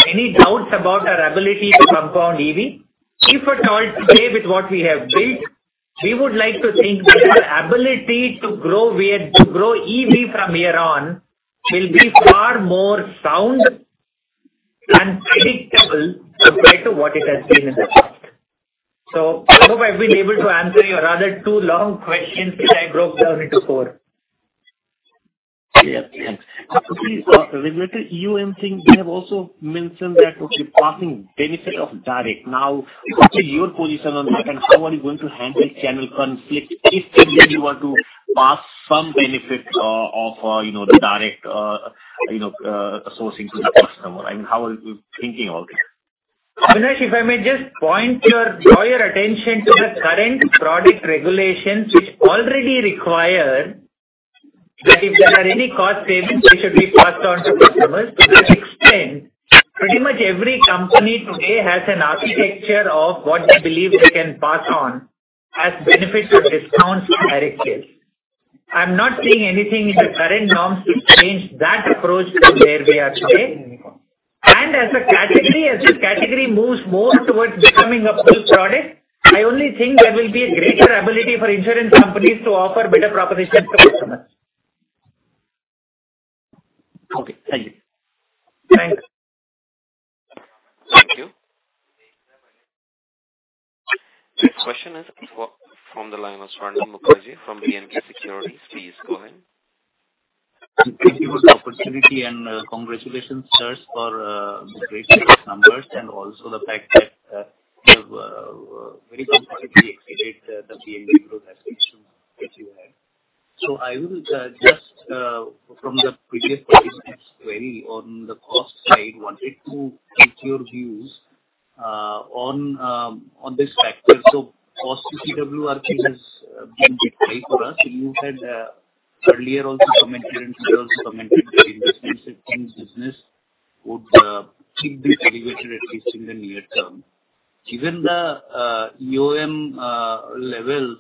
any doubts about our ability to compound EV. If at all today with what we have built, we would like to think that our ability to grow EV from here on will be far more sound and predictable compared to what it has been in the past. I hope I've been able to answer your rather two long questions that I broke down into four. Yes. Thanks. Please, with the UEM thing, you have also mentioned that you're passing benefit of direct. What is your position on that and how are you going to handle channel conflict if indeed you want to pass some benefit, of, you know, the direct, you know, sourcing to the customer? How are you thinking all this? If I may just draw your attention to the current product regulations, which already require that if there are any cost savings, they should be passed on to customers. To that extent, pretty much every company today has an architecture of what they believe they can pass on as benefits or discounts on direct sales. I'm not seeing anything in the current norms to change that approach from where we are today. As a category, as the category moves more towards becoming a full product, I only think there will be a greater ability for insurance companies to offer better propositions to customers. Okay, thank you. Thanks. Thank you. Next question is from the line of Swarnabha Mukherjee from B&K Securities. Please go ahead. Thank you for the opportunity and congratulations, sirs, for the great set of numbers and also the fact that you have very comfortably exceeded the VNB growth expectation that you had. I will just from the previous question asked, where on the cost side wanted to get your views on this factor. Cost to CW, I think has been bit high for us. You had earlier also commented and sirs commented that the business, I think business would still be elevated at least in the near term. Given the EOM levels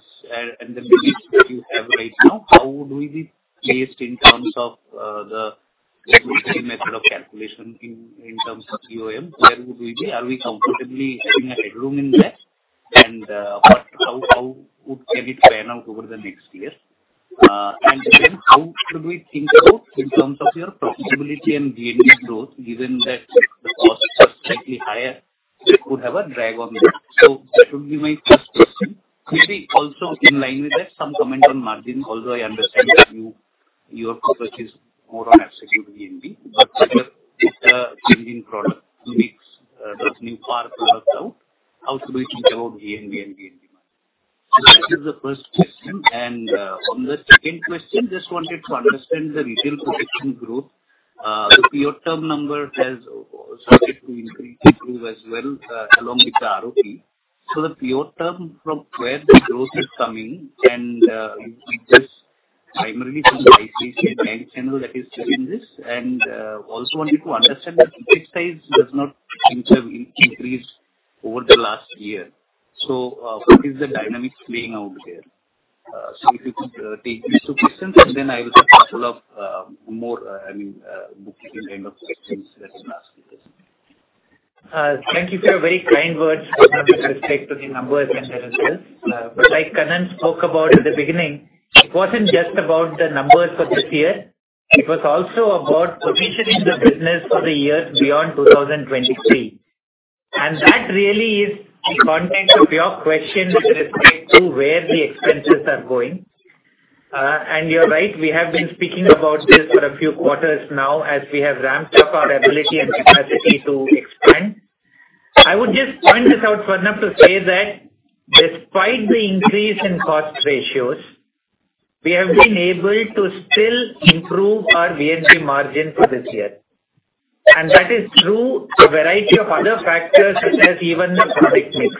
and the business that you have right now, how would we be placed in terms of the regulatory method of calculation in terms of EOM, where would we be? Are we comfortably having a headroom in there? How would, can it pan out over the next year? How should we think about in terms of your profitability and VNB growth, given that the costs are slightly higher, it would have a drag on that. That would be my first question. Maybe also in line with that, some comment on margin, although I understand that you have to purchase more on absolute VNB. With the changing product mix, does new PAR product out, how should we think about VNB and VNB margin? That is the first question. On the second question, just wanted to understand the retail protection growth. The pure term number has started to increase, improve as well, along with the ROC. The pure term from where the growth is coming and it just primarily from the ICICI Bank channel that is driving this and also wanted to understand that ticket size does not seem to have increased over the last year. What is the dynamic playing out there? If you could take these two questions, and then I will have a couple of more, I mean, bookkeeping kind of questions just to ask you this. Thank you for your very kind words with respect to the numbers and the results. Like Kannan spoke about at the beginning, it wasn't just about the numbers for this year. It was also about positioning the business for the years beyond 2023. That really is the context of your question with respect to where the expenses are going. You're right, we have been speaking about this for a few quarters now as we have ramped up our ability and capacity to expand. I would just point this out, Parnam, to say that despite the increase in cost ratios, we have been able to still improve our VNB margin for this year. That is through a variety of other factors, such as even the product mix.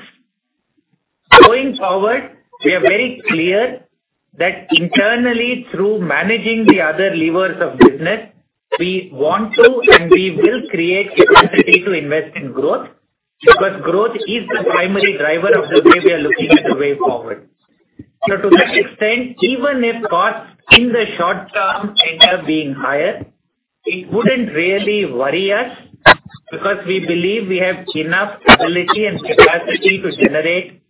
Going forward, we are very clear that internally through managing the other levers of business, we want to and we will create capacity to invest in growth, because growth is the primary driver of the way we are looking at the way forward. To that extent, even if costs in the short term end up being higher, it wouldn't really worry us because we believe we have enough ability and capacity to generate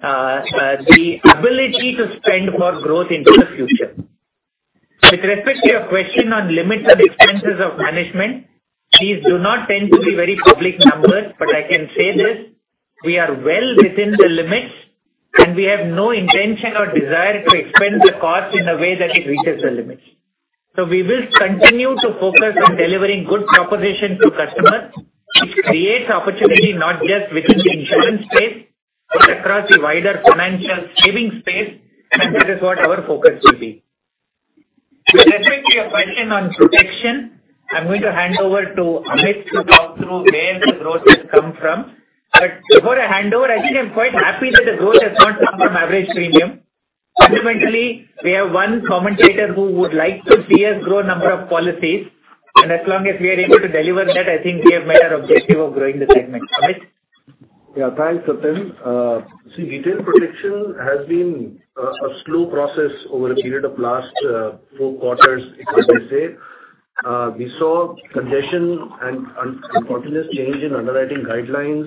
the ability to spend for growth into the future. With respect to your question on limits and expenses of management, these do not tend to be very public numbers, but I can say this, we are well within the limits, and we have no intention or desire to expend the costs in a way that it reaches the limits. We will continue to focus on delivering good proposition to customers, which creates opportunity not just within the insurance space, but across the wider financial savings space, and that is what our focus will be. With respect to your question on protection, I'm going to hand over to Amit to talk through where the growth has come from. Before I hand over, I think I'm quite happy that the growth has not come from average premium. Fundamentally, we have one commentator who would like to see us grow number of policies, and as long as we are able to deliver that, I think we have met our objective of growing the segment. Amit? Yeah. Thanks, Ketan. Retail protection has been a slow process over a period of last four quarters, because I say, we saw congestion and continuous change in underwriting guidelines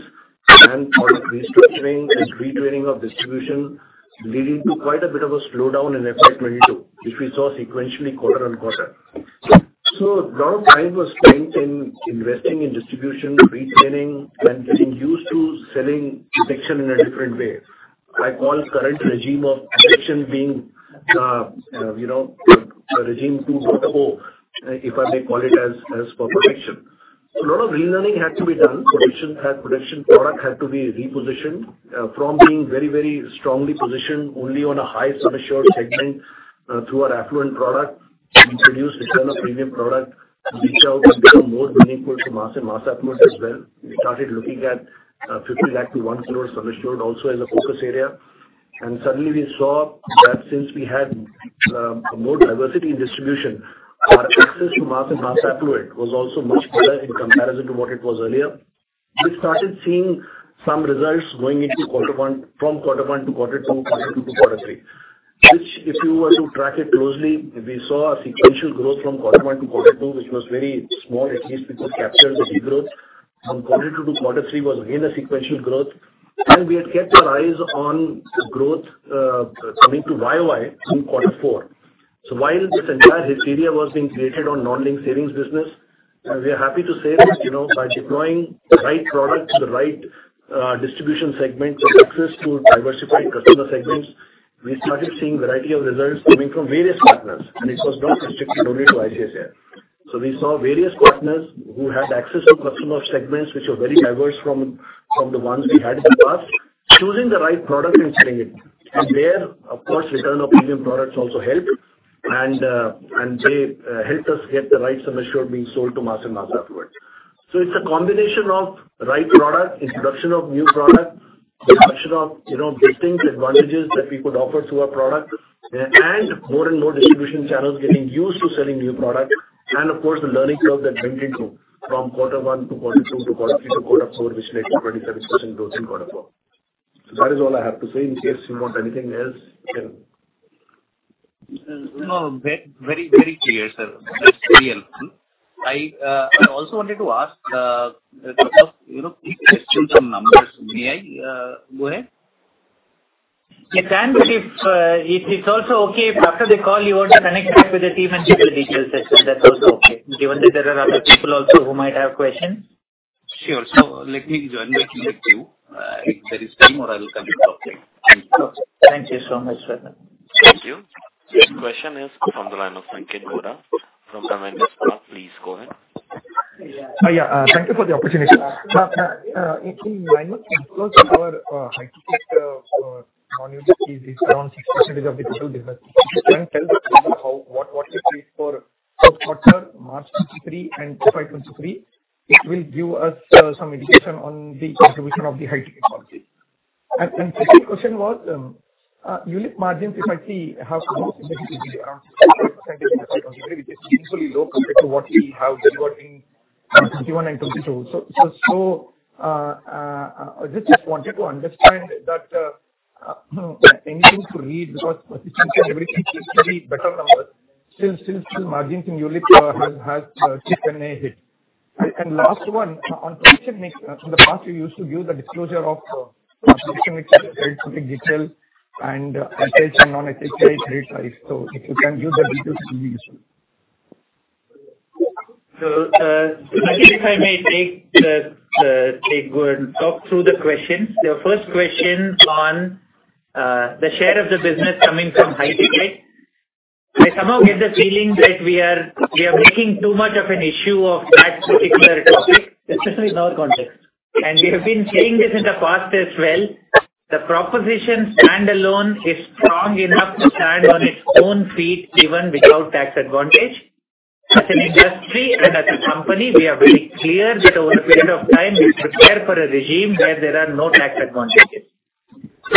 and product restructuring and retraining of distribution leading to quite a bit of a slowdown in effect 22, which we saw sequentially quarter on quarter. A lot of time was spent in investing in distribution, retraining and getting used to selling protection in a different way. I call current regime of protection being a regime 2.0 portable, if I may call it as per protection. A lot of relearning had to be done. Protection product had to be repositioned from being very, very strongly positioned only on a high sub-assured segment through our affluent product. We introduced return of premium product, which helped us become more meaningful to mass and mass affluent as well. We started looking at 50 lakh to 1 crore sum assured also as a focus area. Suddenly we saw that since we had more diversity in distribution, our access to mass and mass affluent was also much better in comparison to what it was earlier. We started seeing some results going from quarter one to quarter two, quarter two to quarter three, which if you were to track it closely, we saw a sequential growth from quarter one to quarter two, which was very small, at least it was captured as a growth. From quarter two to quarter three was again a sequential growth. We had kept our eyes on growth coming to YOY in quarter four. While this entire hysteria was being created on non-linked savings business, and we are happy to say that, you know, by deploying the right product to the right distribution segments and access to diversified customer segments, we started seeing variety of results coming from various partners, and it was not restricted only to ICICI. We saw various partners who had access to customer segments which were very diverse from the ones we had in the past, choosing the right product and selling it. There of course, return of premium products also helped and they helped us get the right sum assured being sold to mass and mass affluent. It's a combination of right product, introduction of new product, introduction of, you know, distinct advantages that we could offer through our product and more and more distribution channels getting used to selling new product and of course, the learning curve that went into from quarter one to quarter two to quarter three to quarter four, which led to 27% growth in quarter four. That is all I have to say. In case you want anything else, sure. No. Very clear, sir. That's very helpful. I also wanted to ask, a couple of, you know, quick questions on numbers. May I go ahead? You can but if it's also okay if after the call you want to connect back with the team and get the detail session, that's also okay. Given that there are other people also who might have questions. Sure. Let me join back with you, if there is time or I will come to talk later. Thank you. Okay. Thank you so much, sir. Thank you. This question is from the line of Pranav Gokhale from Invesco Mutual Fund. Please go ahead. Yeah. Thank you for the opportunity. In nine months, of course, your high-ticket non-ULIP is around 6% of the total business. If you can tell us what it is for first quarter March 2023 and FY 2023, it will give us some indication on the contribution of the high-ticket policy. Second question was, ULIP margins we might see how close it is around 6% in FY 2023, which is unusually low compared to what we have been watching 2021 and 2022. I just wanted to understand that anything to read because persistently everything seems to be better numbers. Still margins in ULIP has taken a hit. Last one. On transaction mix, in the past you used to give the disclosure of transaction mix credit to the detail and HF and non-HF trade size. If you can give that detail it'll be useful. I think if I may take and talk through the questions. Your first question on the share of the business coming from high-ticket. I somehow get the feeling that we are making too much of an issue of that particular topic, especially in our context. We have been saying this in the past as well. The proposition standalone is strong enough to stand on its own feet, even without tax advantage. As an industry and as a company, we are very clear that over a period of time we prepare for a regime where there are no tax advantages.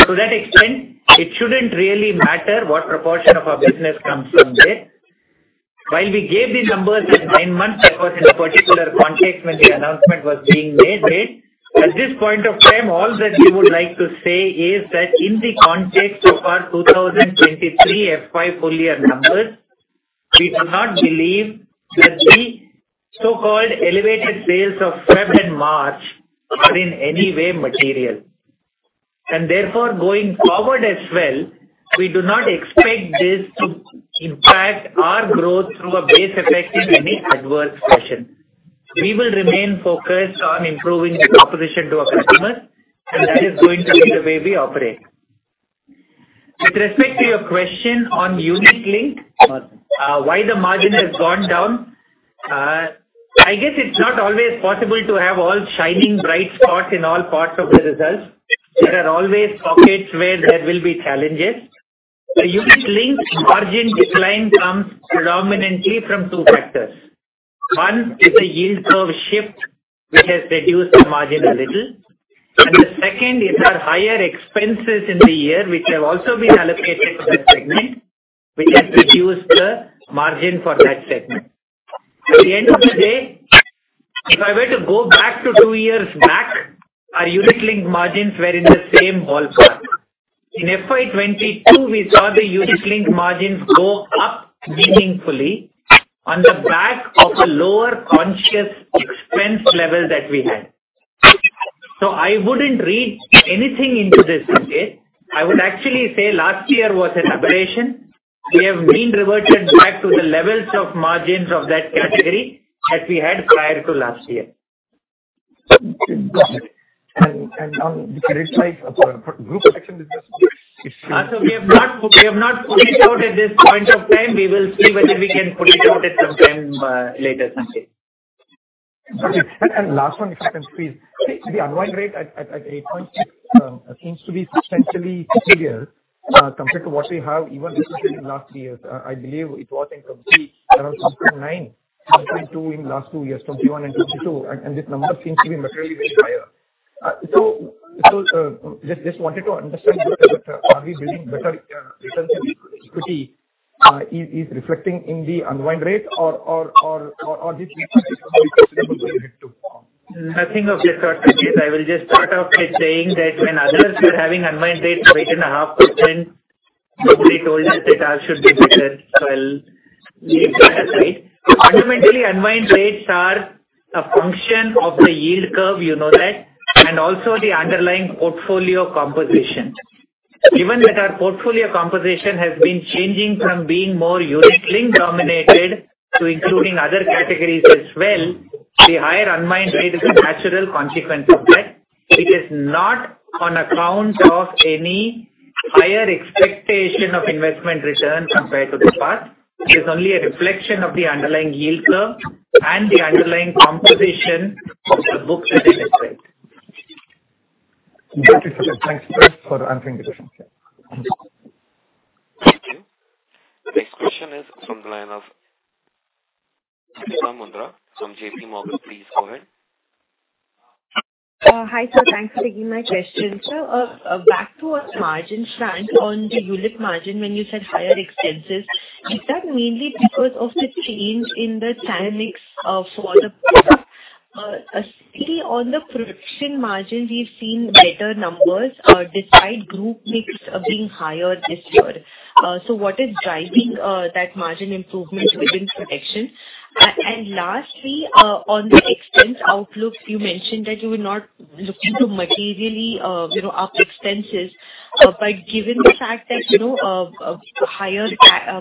To that extent, it shouldn't really matter what proportion of our business comes from there. We gave these numbers in nine months, that was in a particular context when the announcement was being made then. At this point of time, all that we would like to say is that in the context of our 2023 FY full year numbers, we do not believe that the so-called elevated sales of February and March are in any way material. Therefore going forward as well, we do not expect this to impact our growth through a base effect in any adverse fashion. We will remain focused on improving the proposition to our customers, and that is going to be the way we operate. With respect to your question on unit link, why the margin has gone down. I guess it's not always possible to have all shining bright spots in all parts of the results. There are always pockets where there will be challenges. The unit link margin decline comes predominantly from two factors. One is the yield curve shift, which has reduced the margin a little. The second is our higher expenses in the year, which have also been allocated to that segment, which has reduced the margin for that segment. At the end of the day, if I were to go back to two years back, our unit link margins were in the same ballpark. In FY 22, we saw the unit link margins go up meaningfully on the back of a lower conscious expense level that we had. I wouldn't read anything into this okay. I would actually say last year was an aberration. We have been reverted back to the levels of margins of that category that we had prior to last year. Got it. Now if I raise my for group section business if you. We have not fully touted this point of time. We will see whether we can fully tout it sometime, later sometime. Okay. Last one, if I can squeeze. The unwind rate at 8.6 seems to be substantially heavier compared to what we have even recently in last years. I believe it was around 2.9, 2.2 in last two years, 2021 and 2022. This number seems to be materially way higher. Just wanted to understand better that are we building better returns on equity, is reflecting in the unwind rate or this Nothing of the sort, Pranav. I will just start off by saying that when others were having unwind rates of 8.5%, somebody told us that ours should be better. Well, we've got that right. Fundamentally, unwind rates are a function of the yield curve, you know that, and also the underlying portfolio composition. Given that our portfolio composition has been changing from being more unit link dominated to including other categories as well, the higher unwind rate is a natural consequence of that. It is not on account of any higher expectation of investment return compared to the past. It is only a reflection of the underlying yield curve and the underlying composition of the books that they reflect. Got it, sir. Thanks for answering the question. Yeah. Thank you. Next question is from the line of Deepika Mundra from JPMorgan. Please go ahead. Hi, sir. Thanks for taking my question. Sir, back to what margin stand on the unit margin when you said higher expenses, is that mainly because of the change in the channel mix for the? Yeah. Specifically on the protection margin, we've seen better numbers, despite group mix being higher this year. What is driving that margin improvement within protection? Lastly, on the expense outlook, you mentioned that you were not looking to materially, you know, up expenses. Given the fact that, you know, higher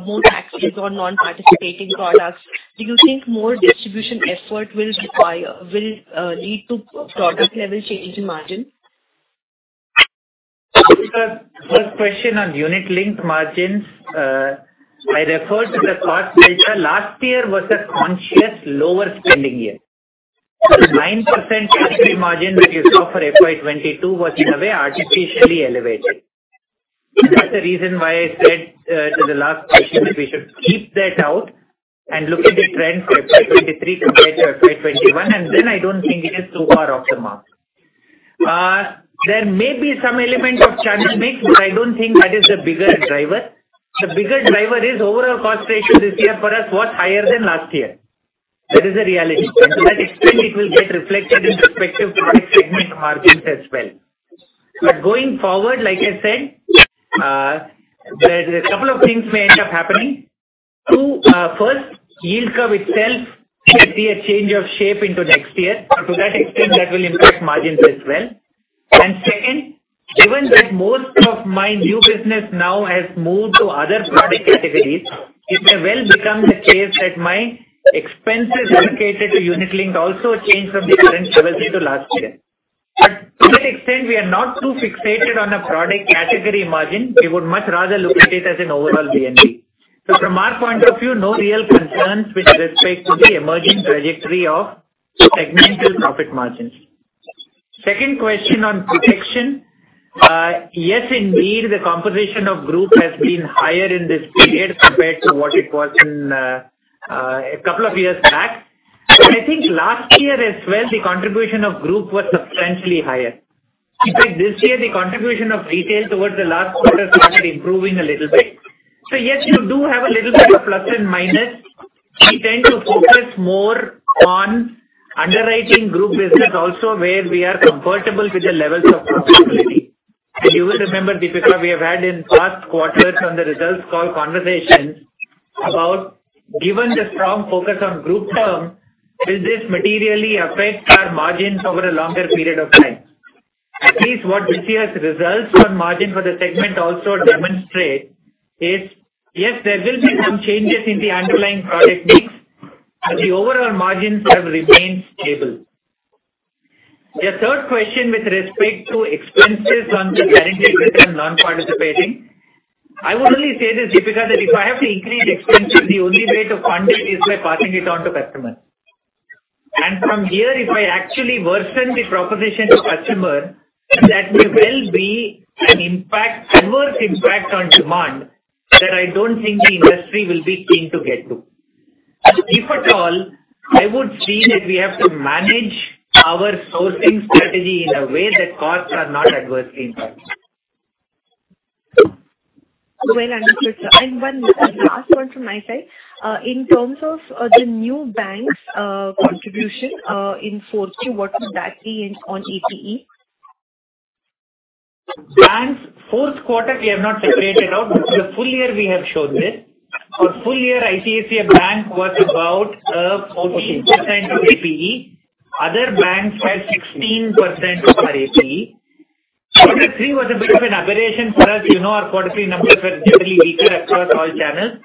more taxes on non-participating products, do you think more distribution effort will lead to product level change in margin? Deepika, first question on unit linked margins. I referred to the cost delta. Last year was a conscious lower spending year. The 9% quarter margin that you saw for FY 2022 was in a way artificially elevated. That's the reason why I said to the last question that we should keep that out and look at the trend for FY 2023 compared to FY 2021, and then I don't think it is too far off the mark. There may be some element of channel mix, but I don't think that is the bigger driver. The bigger driver is overall cost ratio this year for us was higher than last year. That is the reality. To that extent, it will get reflected in respective product segment margins as well. Going forward, like I said, there are a couple of things may end up happening. First, yield curve itself may see a change of shape into next year. To that extent, that will impact margins as well. Second, given that most of my new business now has moved to other product categories, it may well become the case that my expenses allocated to unit link also change from the current levels into last year. To that extent, we are not too fixated on a product category margin. We would much rather look at it as an overall P&L. From our point of view, no real concerns with respect to the emerging trajectory of segmental profit margins. Second question on protection. Yes, indeed, the composition of group has been higher in this period compared to what it was in two years back. I think last year as well, the contribution of group was substantially higher. In fact, this year the contribution of retail towards the last quarter started improving a little bit. Yes, you do have a little bit of plus and minus. We tend to focus more on underwriting group business also where we are comfortable with the levels of profitability. You will remember, Deepika, we have had in past quarters on the results call conversations about given the strong focus on group term, will this materially affect our margins over a longer period of time? At least what this year's results on margin for the segment also demonstrate is, yes, there will be some changes in the underlying product mix, but the overall margins have remained stable. Your third question with respect to expenses on the guaranteed return non-participating. I will only say this, Deepika, that if I have to increase expenses, the only way to fund it is by passing it on to customers. From here, if I actually worsen the proposition to customer, that may well be an impact, adverse impact on demand that I don't think the industry will be keen to get to. If at all, I would feel that we have to manage our sourcing strategy in a way that costs are not adversely impacted. Well understood, sir. One, last one from my side. In terms of, the new banks, contribution, in fourth Q, what would that be in, on APE? Banks, fourth quarter we have not separated out. The full year we have showed this. For full year ICICI Bank was about 14% of APE. Other banks were 16% for APE. Quarter three was a bit of an aberration for us. You know, our quarter three numbers were generally weaker across all channels.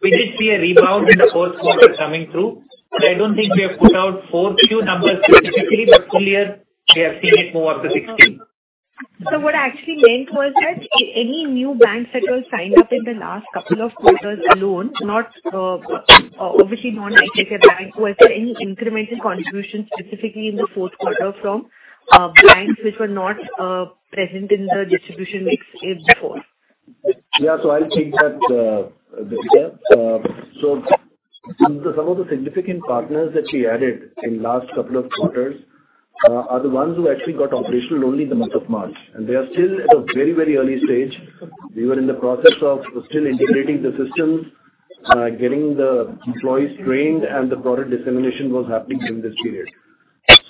We did see a rebound in the fourth quarter coming through. I don't think we have put out fourth Q numbers specifically, but full year we have seen it more of the 16. What I actually meant was that any new banks that were signed up in the last couple of quarters alone, not, obviously non-ICICI Bank, was there any incremental contribution specifically in the fourth quarter from banks which were not present in the distribution mix before? Yeah. I'll take that, yeah. Some of the significant partners that we added in last couple of quarters are the ones who actually got operational only in the month of March, and they are still at a very, very early stage. We were in the process of still integrating the systems, getting the employees trained and the product dissemination was happening in this period.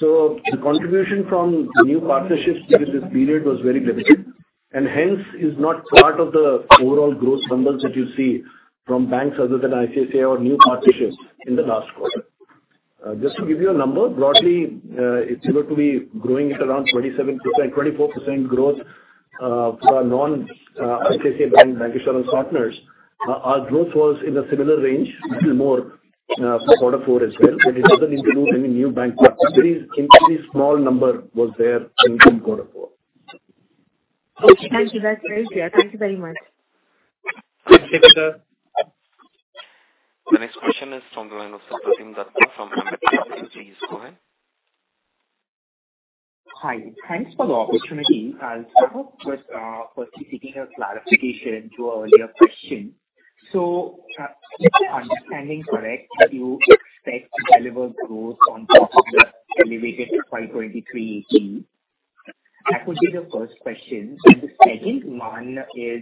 The contribution from the new partnerships during this period was very limited, and hence is not part of the overall growth numbers that you see from banks other than ICICI or new partnerships in the last quarter. Just to give you a number, broadly, it's about to be growing at around 27%, 24% growth for non-ICICI Bank Bancassurance partners. Our growth was in a similar range, a little more, for quarter four as well. It doesn't include any new bank partners. Very, very small number was there in Q4. Okay. Thank you. That's very clear. Thank you very much. Thank you, Deepika. The next question is from the line of Praveen Dutta from Emkay Global. Please go ahead. Hi. Thanks for the opportunity. I'll start off with firstly seeking a clarification to a earlier question. Is my understanding correct that you expect to deliver growth on top of the elevated FY23 APE? That would be the first question. The second one is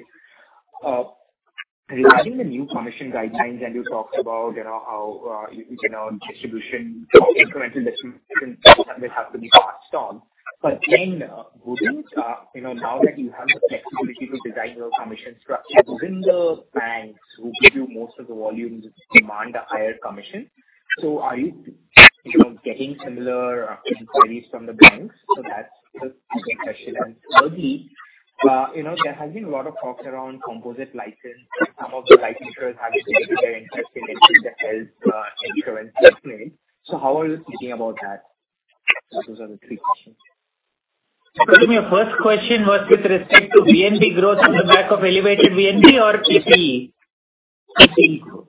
regarding the new commission guidelines and you talked about, you know, how, you know, distribution or incremental distribution this has to be passed on. Wouldn't, you know, now that you have the flexibility to design your commission structure, wouldn't the banks who give you most of the volumes demand a higher commission? Are you know, getting similar inquiries from the banks? That's the second question. Thirdly, you know, there has been a lot of talks around composite license. Some of the life insurers have expressed their interest in entering the health, insurance space. How are you thinking about that? Those are the three questions. Praveen, your first question was with respect to VNB growth on the back of elevated VNB or APE? APE growth.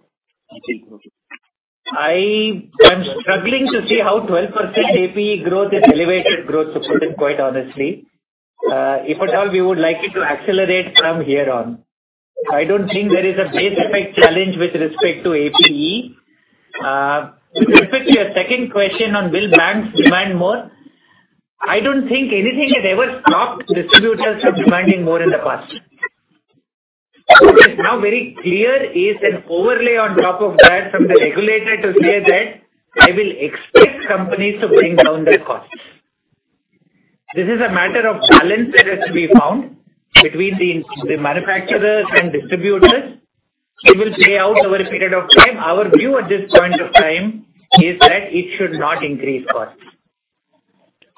I am struggling to see how 12% APE growth is elevated growth to put it quite honestly. If at all, we would like it to accelerate from here on. I don't think there is a base effect challenge with respect to APE. With respect to your second question on will banks demand more, I don't think anything has ever stopped distributors from demanding more in the past. What is now very clear is an overlay on top of that from the regulator to say that I will expect companies to bring down their costs. This is a matter of balance that has to be found between the manufacturers and distributors. It will play out over a period of time. Our view at this point of time is that it should not increase costs.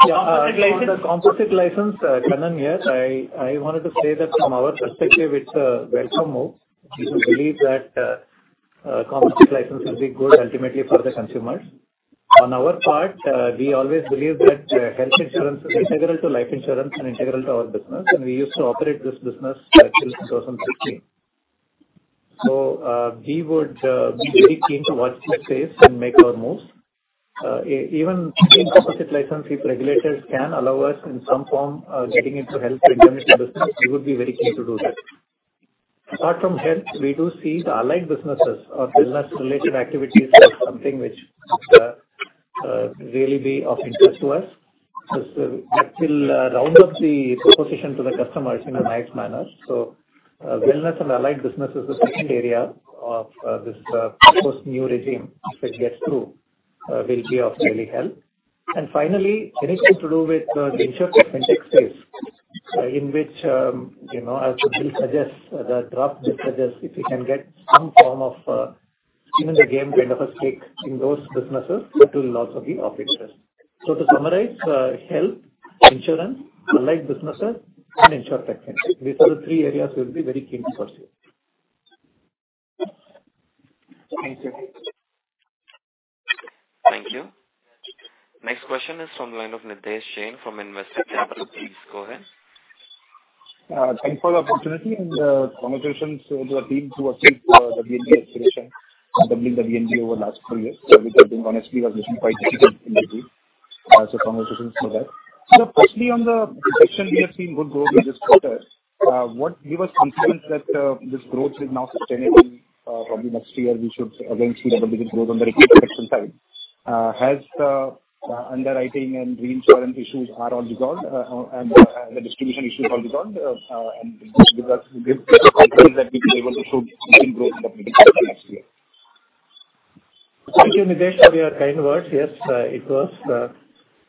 Composite license. On the composite license, Kannan, yes, I wanted to say that from our perspective it's a welcome move. We believe that a composite license will be good ultimately for the consumers. On our part, we always believe that health insurance is integral to life insurance and integral to our business, and we used to operate this business till 2016. We would be very keen to watch this space and make our moves. Even in composite license, if regulators can allow us in some form, getting into health or indemnity business, we would be very keen to do that. Apart from health, we do see the allied businesses or business related activities as something which really be of interest to us. That will round up the proposition to the customers in a nice manner. Wellness and allied business is the second area of this proposed new regime if it gets through, will be of really help. Finally, anything to do with insurtech fintech space, in which, you know, as Sudhir suggests, the draft bill suggests if we can get some form of skin in the game kind of a stake in those businesses, that will also be of interest. To summarize, health, insurance, allied businesses and insurtech fintech. These are the three areas we'll be very keen to pursue. Thank you. Thank you. Next question is from the line of Nidhesh Jain from Investec. Please go ahead. Thanks for the opportunity and congratulations to the team who achieved the VNB acceleration, doubling the VNB over the last four years. Which I think honestly was mission quite difficult indeed. Congratulations for that. Firstly, on the protection, we have seen good growth in this quarter. What give us confidence that this growth is now sustainable? Probably next year we should again see double-digit growth on the retail protection side. Has the underwriting and reinsurance issues are all resolved, and the distribution issues all resolved? Give us the confidence that we'll be able to show decent growth in the coming quarter next year. Thank you, Nidhesh, for your kind words. Yes, it was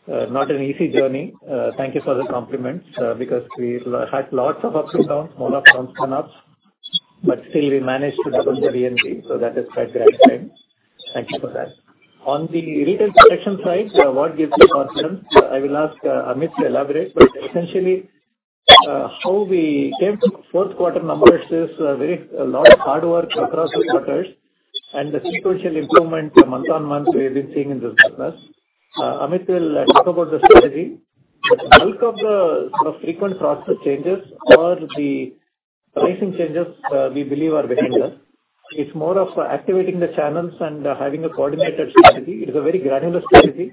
not an easy journey. Thank you for the compliment, because we had lots of ups and downs, more downs than ups, but still we managed to double the VNB, so that is quite gratifying. Thank you for that. On the retail protection side, what gives me confidence? I will ask Amit to elaborate, but essentially, how we came to fourth quarter numbers is a lot of hard work across the quarters. The sequential improvement month-on-month we have been seeing in this business. Amit will talk about the strategy. The bulk of the sort of frequent product changes or the pricing changes, we believe are very less. It's more of activating the channels and having a coordinated strategy. It is a very granular strategy.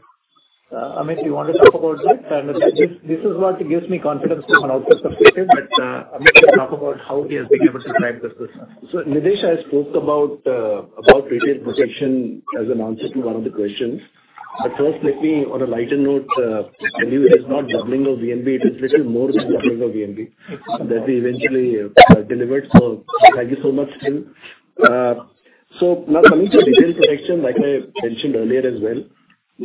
Amit, do you want to talk about that? This is what gives me confidence to an output perspective, but Amit will talk about how he has been able to drive this business. Nidhesh, I spoke about retail protection as an answer to one of the questions. First, let me on a lighter note, tell you it's not doubling of VNB, it is little more than doubling of VNB that we eventually delivered. Thank you so much, Sid. Now coming to retail protection, like I mentioned earlier as well,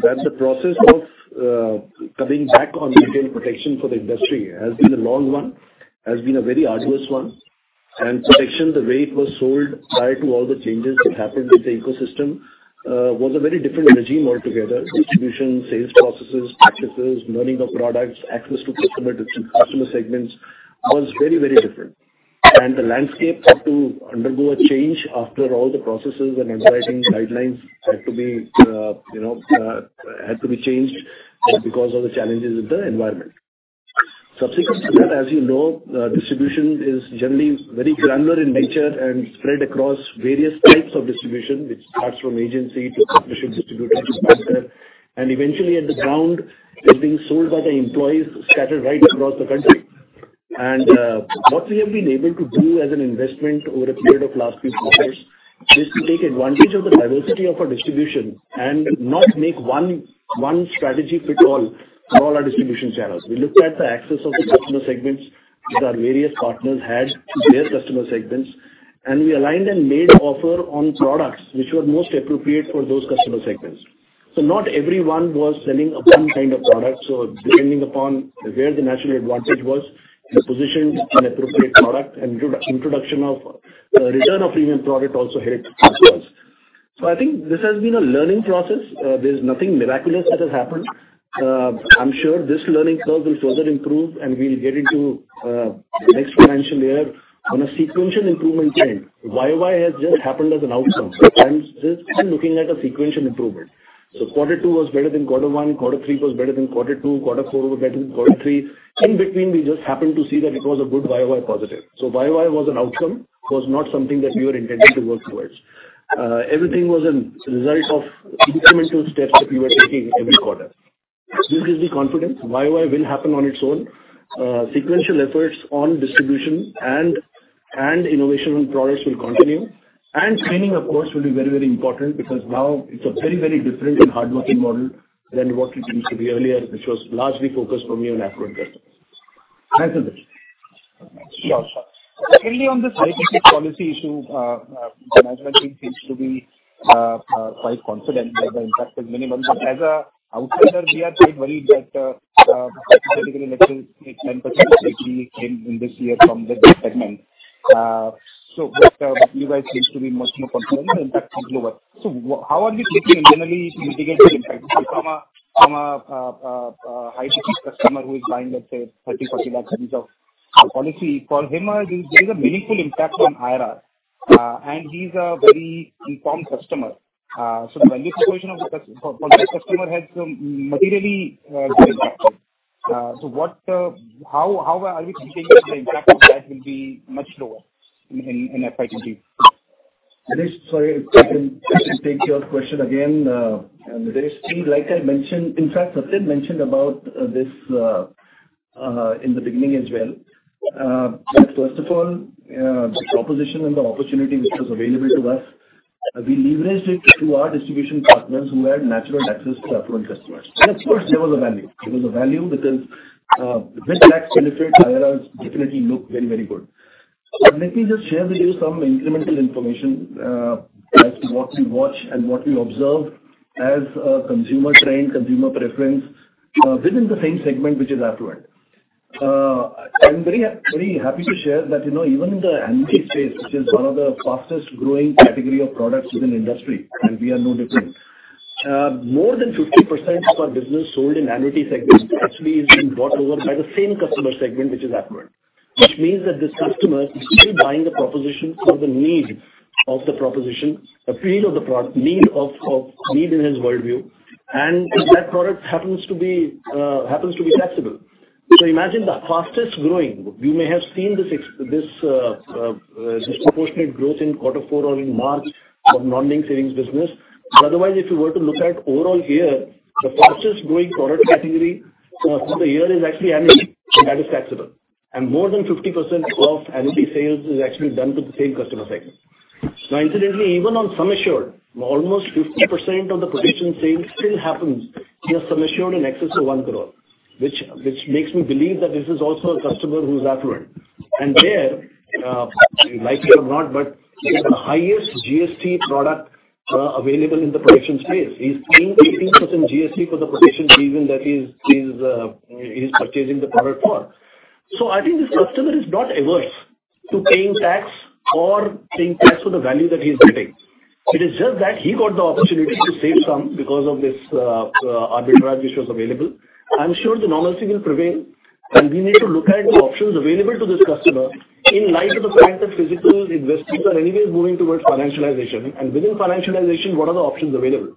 that the process of coming back on retail protection for the industry has been a long one, has been a very arduous one. Protection, the way it was sold prior to all the changes that happened with the ecosystem, was a very different regime altogether. Distribution, sales processes, practices, learning of products, access to customer different customer segments was very, very different. The landscape had to undergo a change after all the processes and underwriting guidelines had to be, you know, changed because of the challenges with the environment. Subsequent to that, as you know, distribution is generally very granular in nature and spread across various types of distribution, which starts from agency to technician, distributor to partner. Eventually at the ground is being sold by the employees scattered right across the country. What we have been able to do as an investment over a period of last few quarters is to take advantage of the diversity of our distribution and not make one strategy fit all for all our distribution channels. We looked at the access of the customer segments that our various partners had to their customer segments, and we aligned and made offer on products which were most appropriate for those customer segments. Not everyone was selling a same kind of product, depending upon where the natural advantage was, we positioned an appropriate product and introduction of return of premium product also helped us well. I think this has been a learning process. There's nothing miraculous that has happened. I'm sure this learning curve will further improve, and we'll get into the next dimension there on a sequential improvement trend. YOY has just happened as an outcome. I'm just, I'm looking at a sequential improvement. Quarter two was better than Quarter one, Quarter three was better than Quarter two, Quarter four was better than Quarter three. In between, we just happened to see that it was a good YOY positive. YOY was an outcome. It was not something that we were intending to work towards. Everything was an result of incremental steps that we were taking every quarter. This gives me confidence YOY will happen on its own. Sequential efforts on distribution and innovation on products will continue. Training, of course, will be very, very important because now it's a very, very different and hardworking model than what it used to be earlier, which was largely focused for me on affluent customers. Thanks, Nidhesh Jain. Sure. Secondly, on this high policy issue, the management team seems to be quite confident that the impact is minimum. As a outsider, we are quite worried that particular electric take 10% actually came in this year from that segment. But, you guys seems to be much more confident the impact is lower. How are we taking internally to mitigate the impact from a from a high-ticket customer who is buying, let's say, 30 lakhs-40 lakhs rupees of policy. For him, there is a meaningful impact on IRR, and he's a very informed customer. The value proposition of the for this customer has materially been impacted. What how how are we continuing the impact of that will be much lower in in in FY22? Nidhesh, sorry, if I can take your question again. Nidhesh Jain, like I mentioned, in fact, I mentioned about this in the beginning as well. That first of all, the proposition and the opportunity which was available to us, we leveraged it to our distribution partners who had natural access to affluent customers. Of course, there was a value. There was a value because with tax benefit, IRRs definitely look very, very good. Let me just share with you some incremental information as to what we watch and what we observe as a consumer trend, consumer preference within the same segment, which is affluent. I'm very happy to share that, you know, even in the annuity space, which is one of the fastest growing category of products within the industry, and we are no different. More than 50% of our business sold in annuity segment actually is being brought over by the same customer segment, which is affluent. This means that this customer is still buying the proposition for the need of the proposition, need of need in his worldview. That product happens to be taxable. Imagine the fastest growing. You may have seen this disproportionate growth in quarter four or in March of non-linked savings business. Otherwise, if you were to look at overall year, the fastest growing product category for the year is actually annuity, and that is taxable. More than 50% of annuity sales is actually done to the same customer segment. Incidentally, even on sum assured, almost 50% of the protection sales still happens here sum assured in excess of 1 crore, which makes me believe that this is also a customer who's affluent. There, you like it or not, but it's the highest GST product available in the protection space. He's paying 18% GST for the protection reason that he's purchasing the product for. I think this customer is not averse to paying tax or paying tax for the value that he's getting. It is just that he got the opportunity to save some because of this arbitrage which was available. I'm sure the normalcy will prevail. We need to look at the options available to this customer in light of the fact that physical investments are anyways moving towards financialization. Within financialization, what are the options available?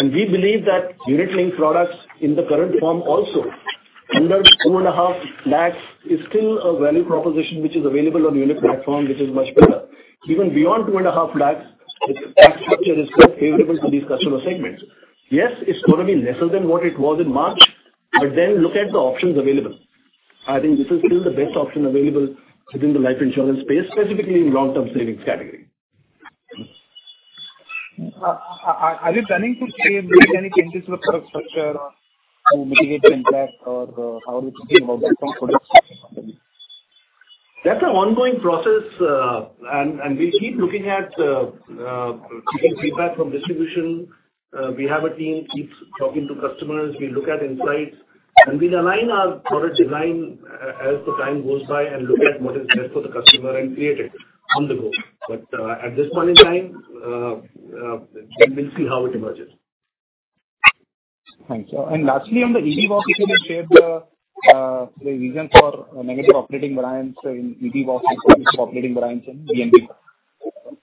We believe that unit-linked products in the current form also under 2.5 lakhs is still a value proposition which is available on the unit platform, which is much better. Even beyond 2.5 lakhs, its tax structure is still favorable to these customer segments. Yes, it's gonna be lesser than what it was in March, look at the options available. I think this is still the best option available within the life insurance space, specifically in long-term savings category. Are you planning to make any changes to the product structure to mitigate the impact or how are you thinking about this from a product perspective? That's an ongoing process, and we keep looking at taking feedback from distribution. We have a team keeps talking to customers. We look at insights, and we align our product design as the time goes by and look at what is best for the customer and create it on the go. At this point in time, then we'll see how it emerges. Thanks. Lastly, on the EV walk, if you can share the reason for negative operating variance in EV walk versus operating variance in VNB.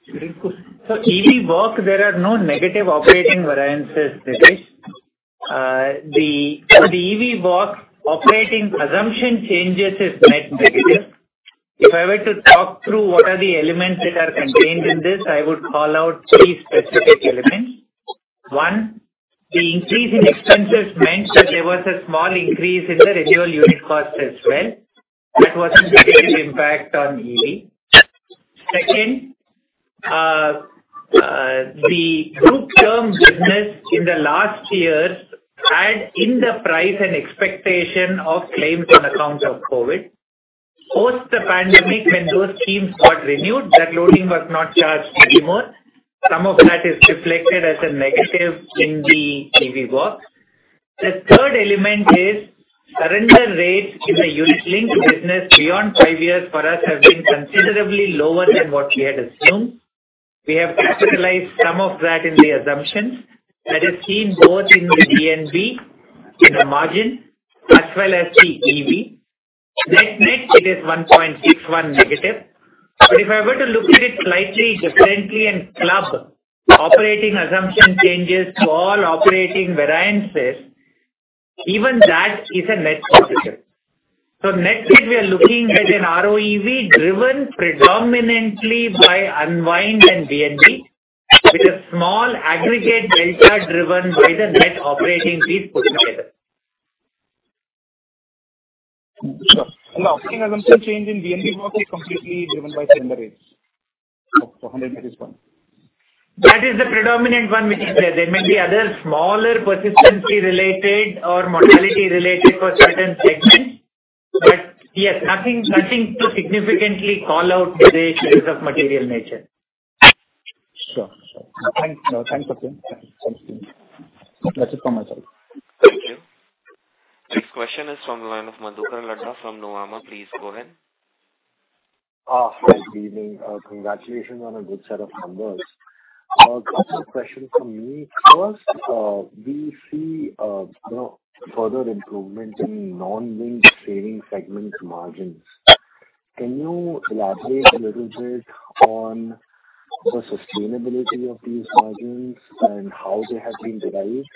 Sure. EV walk, there are no negative operating variances, Nidhesh. The EV walk operating assumption changes is net negative. If I were to talk through what are the elements that are contained in this, I would call out three specific elements. One, the increase in expenses meant that there was a small increase in the renewal unit cost as well. That was the material impact on EV. Second, the group term business in the last years had in the price an expectation of claims on accounts of COVID. Post the pandemic when those schemes got renewed, that loading was not charged anymore. Some of that is reflected as a negative in the EV walk. The third element is surrender rates in the unit-linked business beyond five years for us have been considerably lower than what we had assumed. We have capitalized some of that in the assumptions that is seen both in the DNP in the margin as well as the EV. Net-net it is 1.61% negative. If I were to look at it slightly differently and club operating assumption changes to all operating variances, even that is a net positive. Net-net we are looking at an ROEV driven predominantly by unwind and DNP with a small aggregate delta driven by the net operating fees put together. Sure. The operating assumption change in DNP box is completely driven by surrender rates. To 100 basis points. That is the predominant one which is there. There may be other smaller persistency related or modality related for certain segments. Yes, nothing to significantly call out today which is of material nature. Sure. Thanks, Ashwin. Thanks, team. That's it from my side. Thank you. Next question is from the line of Madhukar Ladha from Nomura. Please go ahead. Good evening. Congratulations on a good set of numbers. Couple of questions from me. First, we see, you know, further improvement in non-linked savings segment margins. Can you elaborate a little bit on the sustainability of these margins and how they have been derived,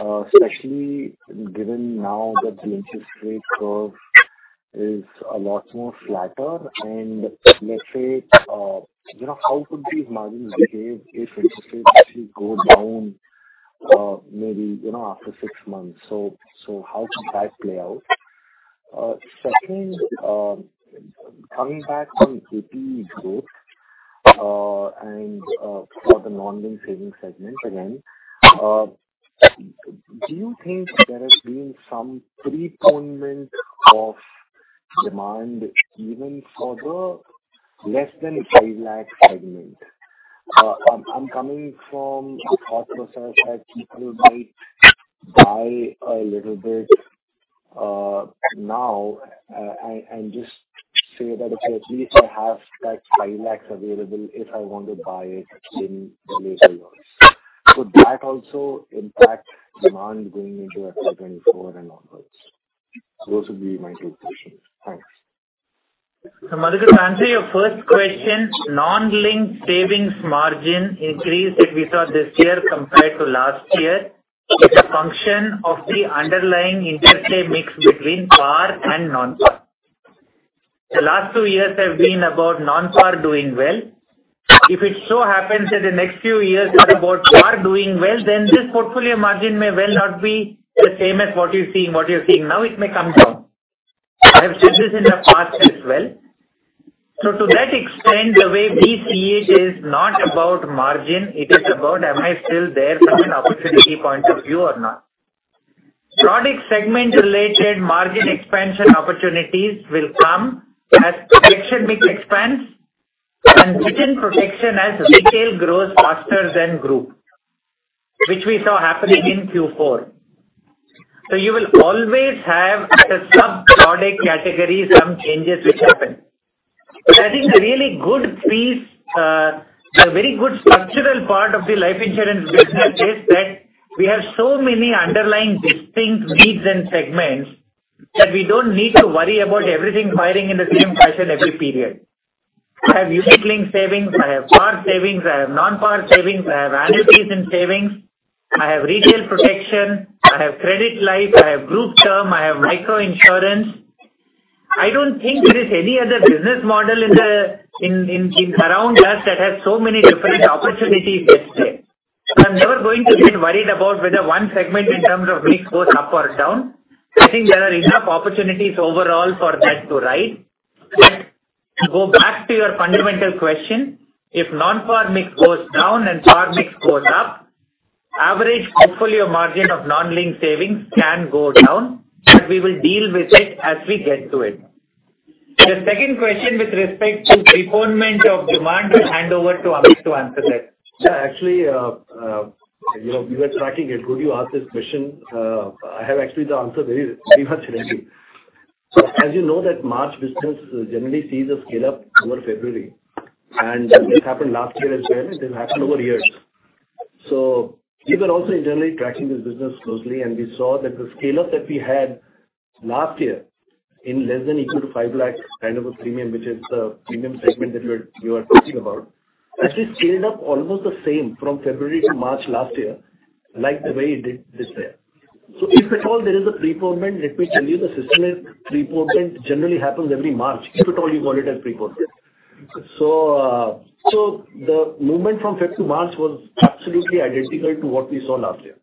especially given now that the interest rate curve is a lot more flatter and let's say, you know, how could these margins behave if interest rates actually go down, maybe, you know, after six months? How could that play out? Second, coming back from GP growth, and for the non-linked savings segment again, do you think there has been some preponement of demand even for the less than 5 lakh segment? I'm coming from a thought process that people might buy a little bit now and just say that, okay, at least I have that 5 lakhs available if I want to buy it in the later years. Could that also impact demand going into FY 24 and onwards? Those would be my 2 questions. Thanks. Madhukar to answer your first question, non-linked savings margin increase that we saw this year compared to last year is a function of the underlying interplay mix between par and non-par. The last two years have been about non-par doing well. If it so happens that the next few years are about par doing well, then this portfolio margin may well not be the same as what you're seeing, what you're seeing now. It may come down. I have said this in the past as well. To that extent, the way we see it is not about margin, it is about am I still there from an opportunity point of view or not. Product segment related margin expansion opportunities will come as collection mix expands and written protection as retail grows faster than group, which we saw happening in Q4. You will always have at a sub-product category some changes which happen. I think a really good piece, a very good structural part of the life insurance business is that we have so many underlying distinct needs and segments that we don't need to worry about everything firing in the same fashion every period. I have unit-linked savings. I have par savings. I have non-par savings. I have annuities and savings. I have retail protection. I have credit life. I have group term. I have micro-insurance. I don't think there is any other business model in around us that has so many different opportunities this year. I'm never going to get worried about whether one segment in terms of mix goes up or down. I think there are enough opportunities overall for that to rise. To go back to your fundamental question, if non-par mix goes down and par mix goes up, average portfolio margin of non-linked savings can go down. We will deal with it as we get to it. The second question with respect to pre-payment of demand, we'll hand over to Amit to answer that. Yeah, actually, you know, we were tracking it. Good you asked this question. I have actually the answer very, very much ready. As you know that March business generally sees a scale-up over February. That this happened last year as well, and this happened over years. We were also internally tracking this business closely, and we saw that the scale-up that we had last year in less than equal to 5 lakh kind of a premium, which is the premium segment that you are talking about. Actually scaled up almost the same from February to March last year, like the way it did this year. If at all there is a prepayment, let me tell you, the systemic prepayment generally happens every March. If at all you call it as prepayment. The movement from Feb to March was absolutely identical to what we saw last year.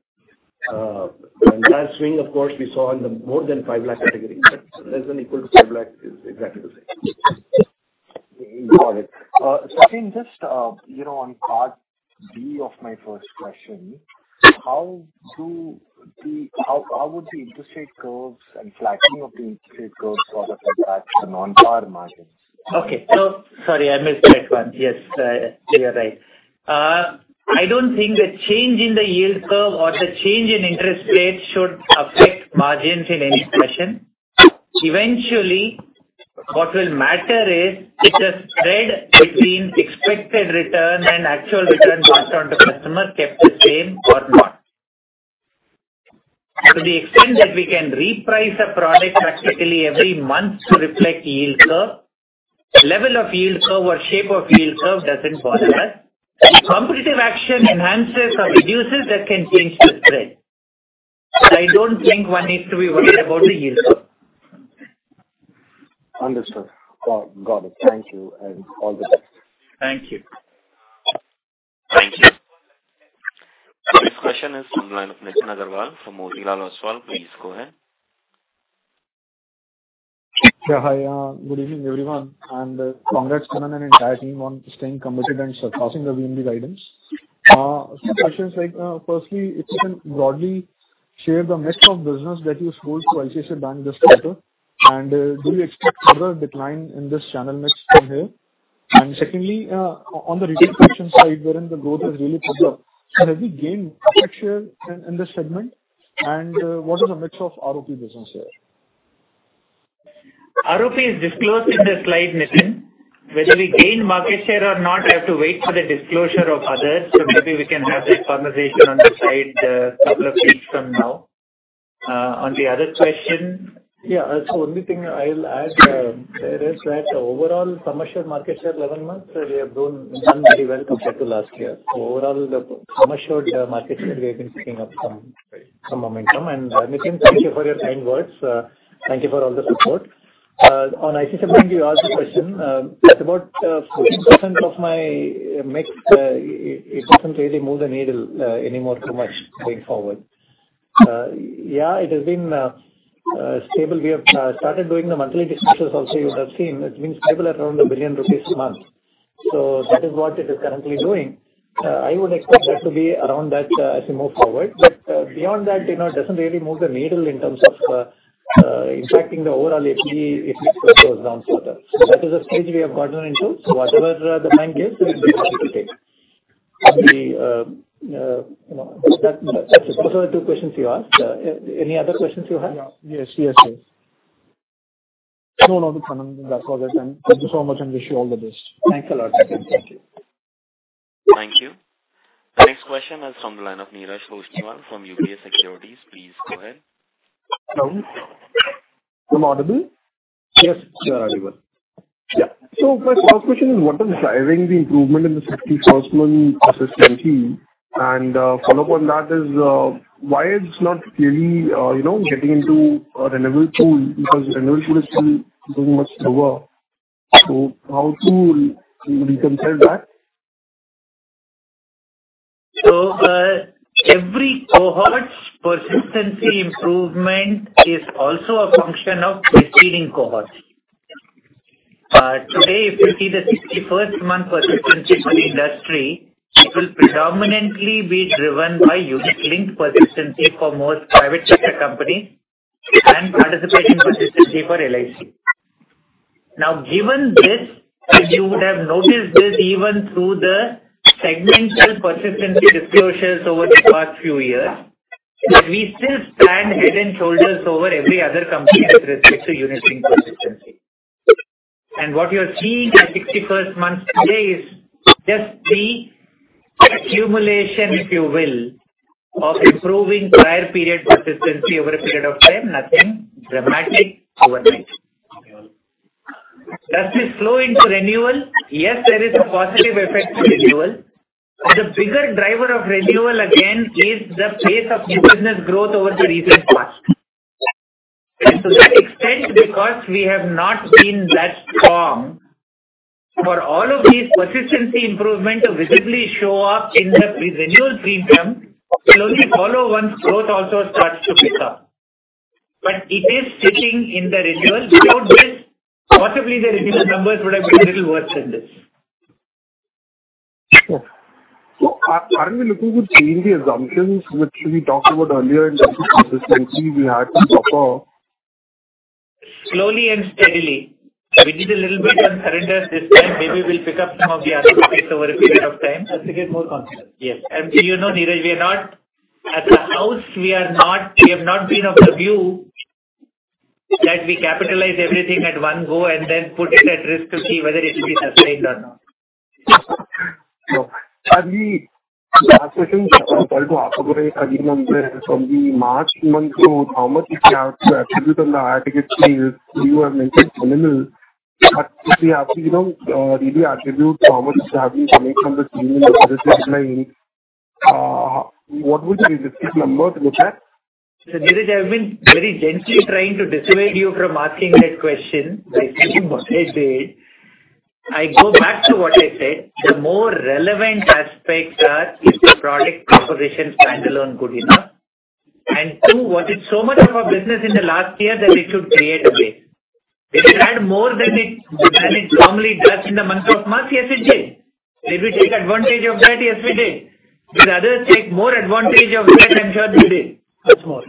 That swing, of course, we saw in the more than 5 lakh category, but less than equal to 5 lakh is exactly the same. Got it. I think just, you know, on part B of my first question, how would the interest rate curves and flattening of the interest rate curves sort of impact the non-par margins? Okay. Sorry, I missed that one. Yes, you're right. I don't think the change in the yield curve or the change in interest rates should affect margins in any fashion. Eventually, what will matter is if the spread between expected return and actual return passed on to customers kept the same or not. To the extent that we can reprice a product practically every month to reflect yield curve, level of yield curve or shape of yield curve doesn't bother us. Competitive action enhances or reduces that can change the spread. I don't think one needs to be worried about the yield curve. Understood. Got it. Thank you and all the best. Thank you. Thank you. The next question is from the line of Nitin Aggarwal from Motilal Oswal. Please go ahead. Hi. Good evening, everyone. Congrats, Kannan and entire team, on staying committed and surpassing the VNB guidance. Some questions like, firstly, if you can broadly share the mix of business that you sold to ICICI Bank just better. Do you expect further decline in this channel mix from here? Secondly, on the retail protection side wherein the growth is really picked up. Have you gained market share in this segment? What is the mix of ROP business here? ROP is disclosed in the slide, Nitin. Whether we gain market share or not, I have to wait for the disclosure of others. Maybe we can have that conversation on the side a couple of weeks from now. On the other question. Only thing I'll add there is that overall summer showed market share 11 months. We have grown very well compared to last year. Overall the summer showed market share, we have been picking up some momentum. Nitin, thank you for your kind words. Thank you for all the support. On ICICI Bank you asked a question. It's about 14% of my mix. It doesn't really move the needle anymore too much going forward. Yeah, it has been stable. We have started doing the monthly discussions also you would have seen. It's been stable at around 1 billion rupees a month. That is what it is currently doing. I would expect that to be around that as we move forward. Beyond that, you know, it doesn't really move the needle in terms of impacting the overall FP exposures down further. That is a stage we have gotten into. Whatever the bank gives, we'll be happy to take. The, you know, that's it. Those are the two questions you asked. Any other questions you have? Yeah. Yes, yes. No, no, that's all good. Thank you so much, and wish you all the best. Thanks a lot, Nitin. Thank you. Thank you. The next question is from the line of Neeraj Toshniwal from UBS Securities. Please go ahead. Hello. Am I audible? Yes, sir. Very well. My first question is, what is driving the improvement in the 61st month persistency? Follow up on that is, why it's not really, you know, getting into a renewable pool, because renewable pool is still doing much lower. How to reconcile that? Every cohort's persistency improvement is also a function of preceding cohorts. Today, if you see the 61st month persistency for the industry, it will predominantly be driven by unit-linked persistency for most private sector company and participating persistency for LIC. Given this, and you would have noticed this even through the segmental persistency disclosures over the past few years. We still stand head and shoulders over every other company with respect to unit-linked consistency. What you're seeing at 61st months today is just the accumulation, if you will, of improving prior period consistency over a period of time. Nothing dramatic overnight. Does this flow into renewal? Yes, there is a positive effect to renewal. The bigger driver of renewal again is the pace of new business growth over the recent past. To that extent, because we have not been that strong for all of these consistency improvement to visibly show up in the renewal premium will only follow once growth also starts to pick up. It is sitting in the renewal without which possibly the renewal numbers would have been a little worse than this. Sure. Are we looking to change the assumptions which we talked about earlier in terms of consistency we had to suffer? Slowly and steadily. We did a little bit on surrender this time. Maybe we'll pick up some of the other bits over a period of time. As we get more confident. Yes. You know, Neeraj Toshniwal, we have not been of the view that we capitalize everything at one go and then put it at risk to see whether it will be sustained or not. Sure. Actually, last question from the March month. How much did you have to attribute on the IHHG you have mentioned nominal. If we have to, you know, really attribute how much is having coming from the premium versus claim, what would be the split numbers with that? Neeraj, I've been very gently trying to dissuade you from asking that question by saying what I did. I go back to what I said. The more relevant aspects are, is the product proposition standalone good enough? two, was it so much of a business in the last year that it should create a base? Did it add more than it normally does in the month of March? Yes, it did. Did we take advantage of that? Yes, we did. Did others take more advantage of that than should be did? That's all.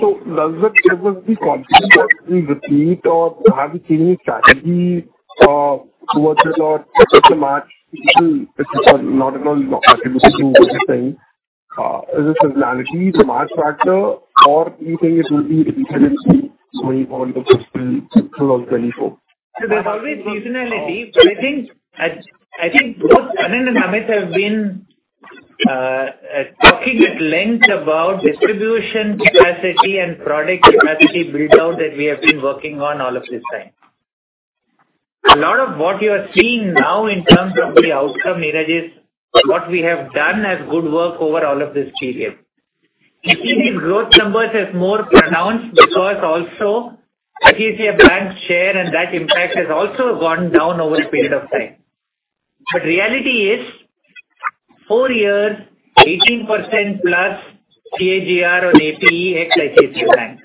Does it be confident that we repeat or have we changed strategy towards it or just a March issue? It's not at all not attributing to this thing. Is it seasonality, the March factor or do you think it will be independently going forward till June of 2024? There's always seasonality. I think both Kannan and Amit have been talking at length about distribution capacity and product capacity build out that we have been working on all of this time. A lot of what you are seeing now in terms of the outcome, Neeraj, is what we have done as good work over all of this period. You see these growth numbers as more pronounced because also ICICI Bank share and that impact has also gone down over a period of time. Reality is four years, 18% plus CAGR on APE ICICI Bank.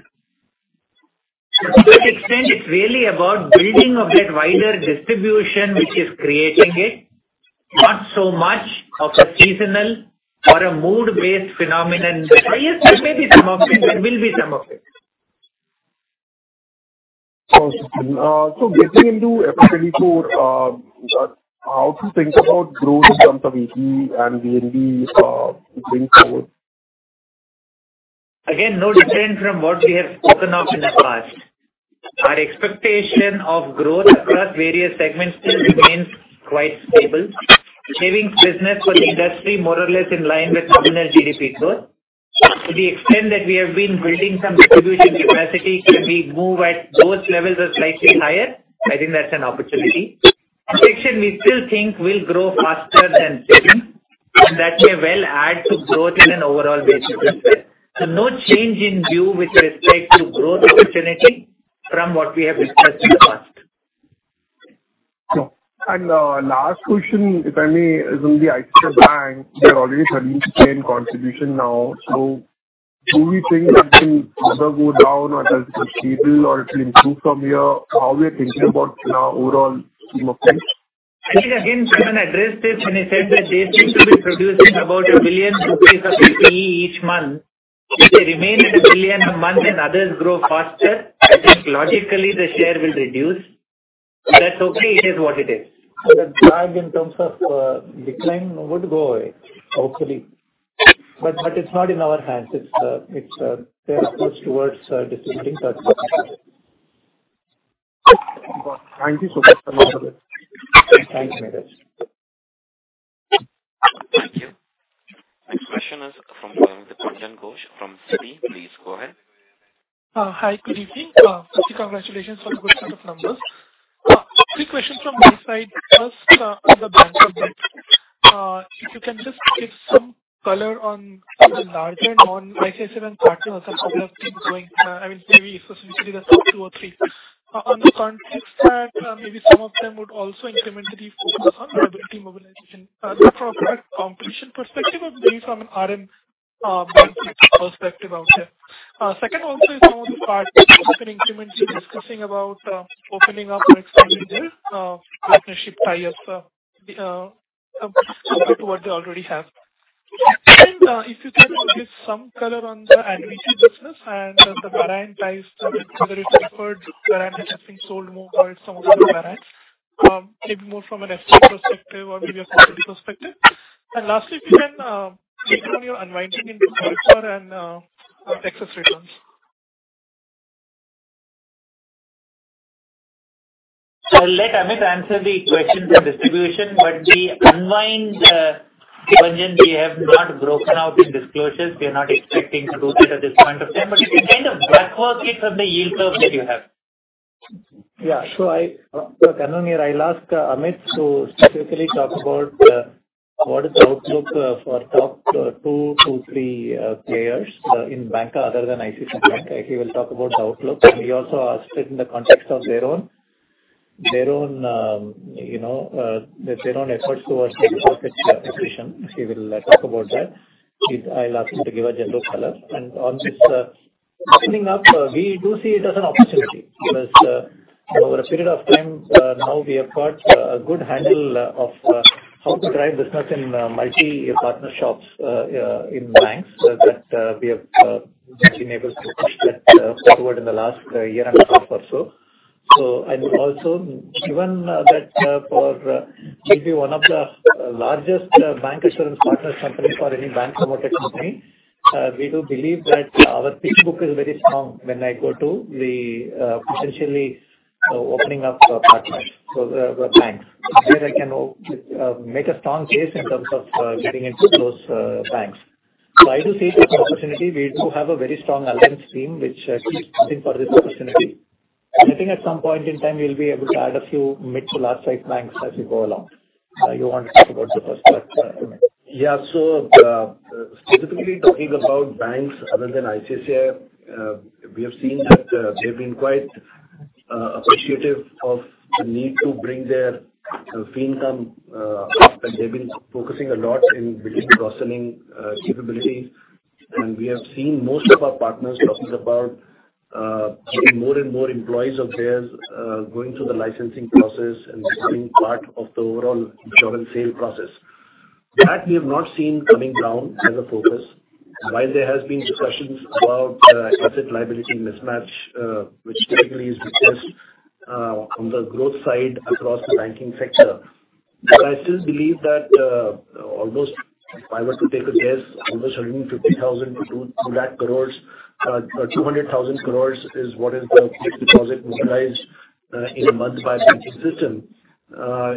To that extent, it's really about building of that wider distribution which is creating it, not so much of a seasonal or a mood-based phenomenon. Yes, there may be some of it. There will be some of it. Awesome. Getting into FY 2024, how to think about growth in terms of AP and VNB going forward? No different from what we have spoken of in the past. Our expectation of growth across various segments still remains quite stable. Savings business was industry more or less in line with nominal GDP growth. To the extent that we have been building some distribution capacity should we move at those levels or slightly higher, I think that's an opportunity. Protection we still think will grow faster than savings and that may well add to growth in an overall basis. No change in view with respect to growth opportunity from what we have discussed in the past. Sure. Last question, if I may, is on the ICICI Bank. They're already 30% contribution now. Do we think that will further go down or it will stable or it will improve from here? How we are thinking about overall scheme of things? Neeraj again Jishan addressed this when he said that they seem to be producing about 1 billion rupees of APE each month. If they remain at 1 billion a month and others grow faster, I think logically the share will reduce. That's okay. It is what it is. The drag in terms of decline would go away, hopefully. It's not in our hands. It's their approach towards distributing products. Thank you, Satyan, Amit. Thanks, Neeraj. Thank you. Next question is from Dipanjan Ghosh from Citi. Please go ahead. Hi, good evening. Firstly, congratulations on the good set of numbers. Three questions from my side. First, on the bank subject. If you can just give some color on the larger non-ICICI banking or some other things going. I mean, maybe specifically the top two or three. On the context front, maybe some of them would also incrementally focus on liability mobilization from a competition perspective or maybe from an RM banking perspective out there. Second also is on the card front. You've been incrementally discussing about opening up or expanding the partnership tie-ups compared to what they already have. If you can give some color on the annuity business and the variants ties to it, whether it's deferred variants which has been sold more or it's some other variants. Maybe more from an ESG perspective or maybe a perspective. Lastly, if you can take on your unwinding in and excess returns. Let Amit answer the questions on distribution, but the unwind engine we have not broken out in disclosures. We are not expecting to do that at this point of time. You can kind of back work it from the yield curve that you have. Yeah. I, N.S. Kannan, I'll ask Amit to specifically talk about what is the outlook for top two to three players in banca other than ICICI Bank. He will talk about the outlook, he also asked it in the context of their own, their own, you know, their own efforts towards digitization. He will talk about that. I'll ask him to give a general color. On this opening up, we do see it as an opportunity because over a period of time, now we have got a good handle of how to drive business in multi-partner shops in banks that we have actually been able to push that forward in the last year and a half or so. Also given that for we'll be one of the largest Bancassurance partners company for any bank promoted company, we do believe that our pitch book is very strong when I go to the potentially opening up partners for the banks. There I can make a strong case in terms of getting into those banks. I do see it as an opportunity. We do have a very strong alliance team which keeps hunting for this opportunity. I think at some point in time we'll be able to add a few mid to large size banks as we go along. You want to talk about the perspective, Amit? Specifically talking about banks other than ICICI, we have seen that they've been quite appreciative of the need to bring their fee income up, and they've been focusing a lot in building cross-selling capabilities. We have seen most of our partners talking about more and more employees of theirs going through the licensing process and becoming part of the overall insurance sales process. That we have not seen coming down as a focus. While there has been discussions about asset liability mismatch, which typically is because on the growth side across the banking sector. I still believe that almost if I were to take a guess, almost 150,000 crores-2 lakh crores is what is the deposit mobilized in a month by banking system.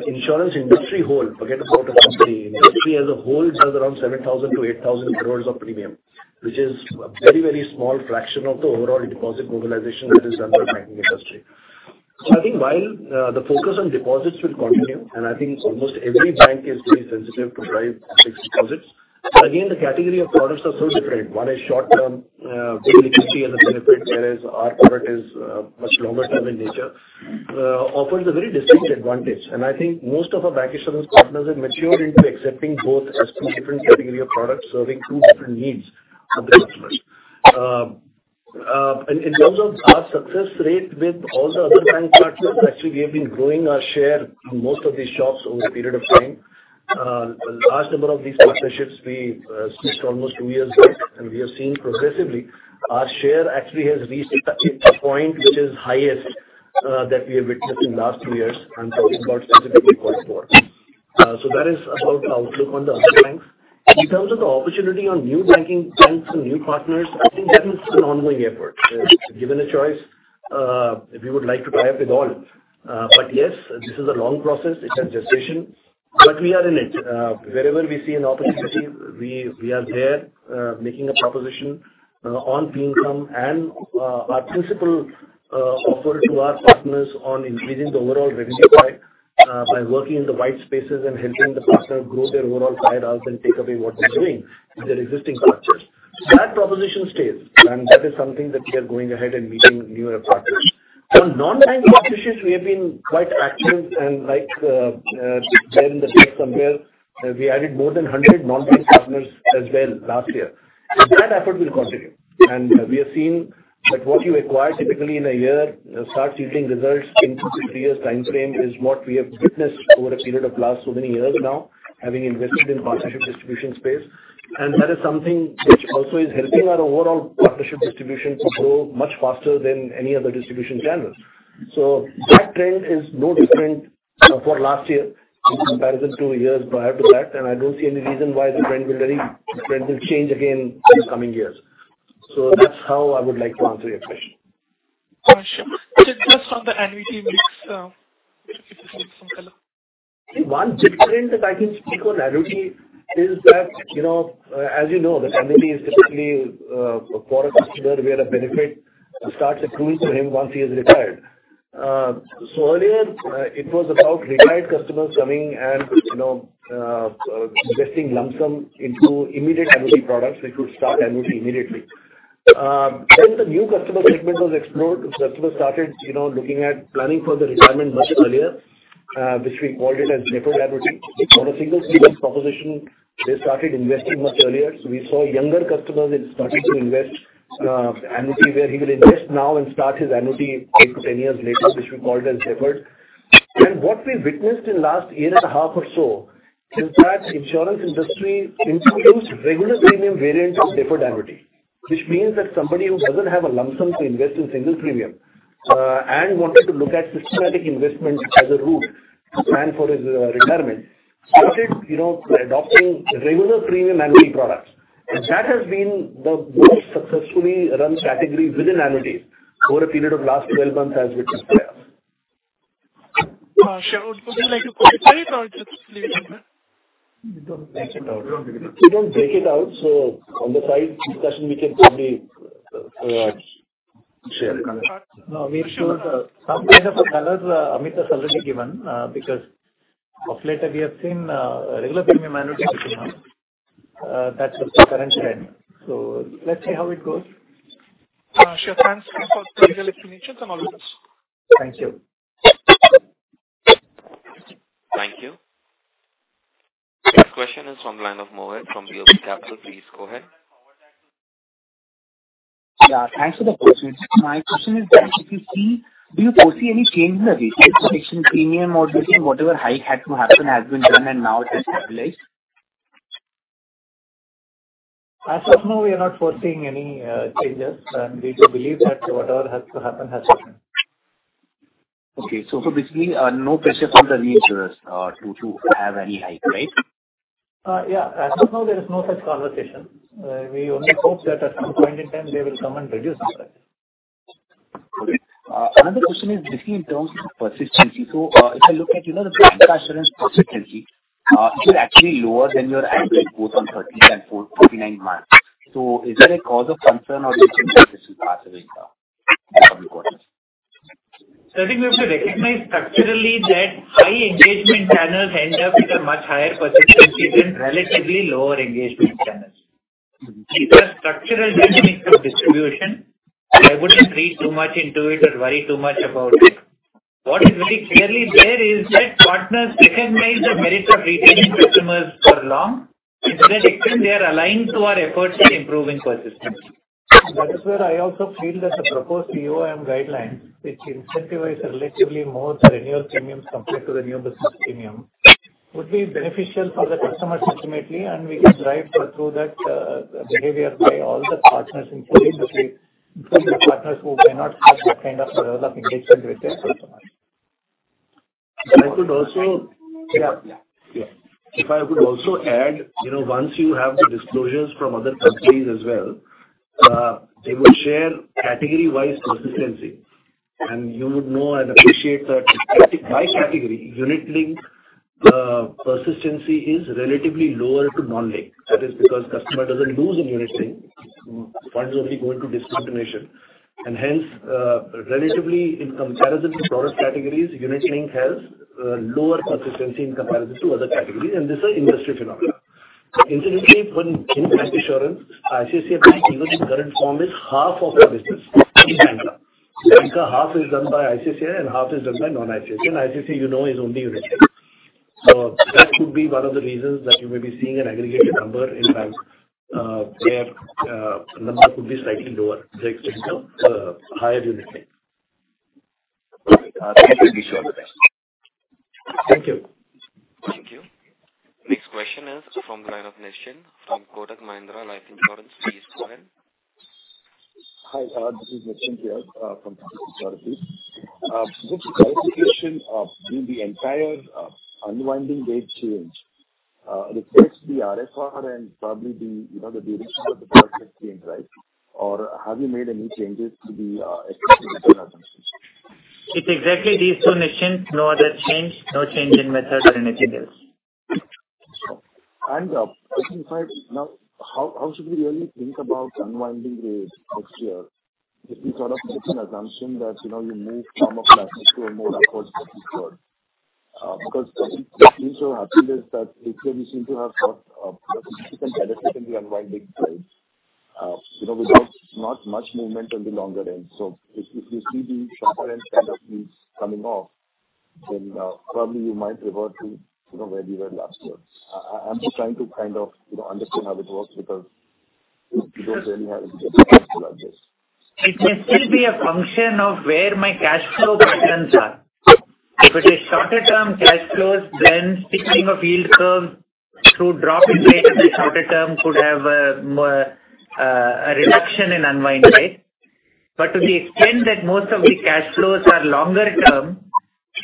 insurance industry whole, forget about a company, industry as a whole does around 7,000 crores-8,000 crores of premium, which is a very, very small fraction of the overall deposit mobilization which is done by banking industry. I think while the focus on deposits will continue, I think almost every bank is very sensitive to drive fixed deposits. Again, the category of products are so different. One is short-term, liquidity as a benefit, whereas our product is much longer term in nature, offers a very distinct advantage. I think most of our bank insurance partners have matured into accepting both as two different category of products serving two different needs of the customers. In terms of our success rate with all the other bank partners, actually we have been growing our share in most of these shops over a period of time. Large number of these partnerships we switched almost two years back, and we have seen progressively our share actually has reached a point which is highest that we have witnessed in last two years and talking about specifically Q4. That is about the outlook on the other banks. In terms of the opportunity on new banking banks and new partners, I think that is an ongoing effort. Given a choice, we would like to tie up with all. Yes, this is a long process. It has gestation, but we are in it. Wherever we see an opportunity, we are there, making a proposition on fee income and our principal offer to our partners on increasing the overall revenue by working in the white spaces and helping the partner grow their overall product and take away what they're doing with their existing partners. That proposition stays, and that is something that we are going ahead and meeting newer partners. Non-bank partnerships, we have been quite active and like said in the deck somewhere, we added more than 100 non-bank partners as well last year. That effort will continue. We have seen that what you acquire typically in a year starts yielding results in two to three years time frame is what we have witnessed over a period of last so many years now, having invested in partnership distribution space. That is something which also is helping our overall partnership distribution to grow much faster than any other distribution channels. That trend is no different for last year in comparison to years prior to that, and I don't see any reason why the trend will change again in coming years. That's how I would like to answer your question. Sure. Just on the annuity mix, if you can give some color. One difference that I can speak on annuity is that, you know, as you know, the annuity is typically, for a customer where a benefit starts accruing to him once he is retired. Earlier, it was about retired customers coming and, you know, investing lump sum into immediate annuity products which would start annuity immediately. When the new customer segment was explored, customers started, you know, looking at planning for their retirement much earlier, which we called it as deferred annuity. On a single premium proposition, they started investing much earlier. We saw younger customers starting to invest, annuity where he will invest now and start his annuity eight to 10 years later, which we called as deferred. What we witnessed in last year and a half or so is that insurance industry introduced regular premium variants of deferred annuity, which means that somebody who doesn't have a lump sum to invest in single premium, and wanted to look at systematic investment as a route to plan for his, retirement started, you know, adopting regular premium annual products. That has been the most successfully run category within annuity over a period of last 12 months as we compare. Sure. Would you like to comment on it or just leave it? We don't take it out. We don't take it out. On the side discussion we can probably share. We ensure some kind of a balance, Amit has already given, because of late we have seen, regular premium annuity picking up. That's what's differentiated. Let's see how it goes. Sure. Thanks for the clear explanations and all the best. Thank you. Thank you. Next question is from the line of Mohit from BOB Capital. Please go ahead. Yeah, thanks for the opportunity. My question is that do you foresee any change in the ratio between premium or this is whatever hike had to happen has been done and now it has stabilized? As of now, we are not foreseeing any changes, and we do believe that whatever has to happen has happened. Okay. Basically, no pressure from the reinsurers, to have any hike, right? Yeah, as of now there is no such conversation. We only hope that at some point in time they will come and reduce the price. Okay. Another question is basically in terms of persistency. If I look at, you know, the Bancassurance persistency is actually lower than your annual both on 13 and 49 mark. Is there a cause of concern or do you think that this will pass away now? Sir, we have to recognize structurally that high engagement channels end up with a much higher persistency than relatively lower engagement channels. It's a structural dynamic of distribution. I wouldn't read too much into it or worry too much about it. What is very clearly there is that partners recognize the merits of retaining customers for long. To that extent they are aligned to our efforts in improving persistency. That is where I also feel that the proposed EOM guidelines which incentivize a relatively more renewal premium compared to the new business premium would be beneficial for the customers ultimately, and we can drive through that behavior by all the partners including the partners who cannot have that kind of level of engagement with their customers. Yeah. If I could also add, you know, once you have the disclosures from other companies as well, they will share category-wise persistency and you would know and appreciate that category by category unit link, persistency is relatively lower to non-link. That is because customer doesn't lose in unit link. Funds only go into discontinuation and hence, relatively in comparison to product categories, unit link has lower persistency in comparison to other categories, and this is industry phenomena. Incidentally, for bank insurance, ICICI Bank even in current form is half of our business in bank. Bank, half is done by ICICI and half is done by non-ICICI. ICICI, you know, is only unit linked. That could be one of the reasons that you may be seeing an aggregated number in banks, where numbers could be slightly lower to the extent of higher unit link. Okay. Thank you, Vishal. Thank you. Thank you. Next question is from the line of Nishant Shah from Kotak Mahindra Life Insurance. Please go ahead. Hi, this is Nishant here from Kotak Mahindra. Just a clarification. Do the entire unwinding rate change affects the RSR and probably the, you know, the duration of the process change, right? Have you made any changes to the existing assumptions? It's exactly these two, Nishant. No other change, no change in method or anything else. How should we really think about unwinding rates next year? If we sort of make an assumption that, you know, you move some of the assets to a more recourse-based approach. Because what we saw happened is that this year we seem to have got a significant benefit in the unwinding rates. You know, without much movement on the longer end. If we see the shorter end kind of yields coming off, then probably you might revert to, you know, where we were last year. I'm just trying to kind of, you know, understand how it works because we don't really have historical data. It may still be a function of where my cash flow patterns are. If it is shorter term cash flows, steepening of yield curve should drop in rate of the shorter term could have a reduction in unwind rate. To the extent that most of the cash flows are longer term,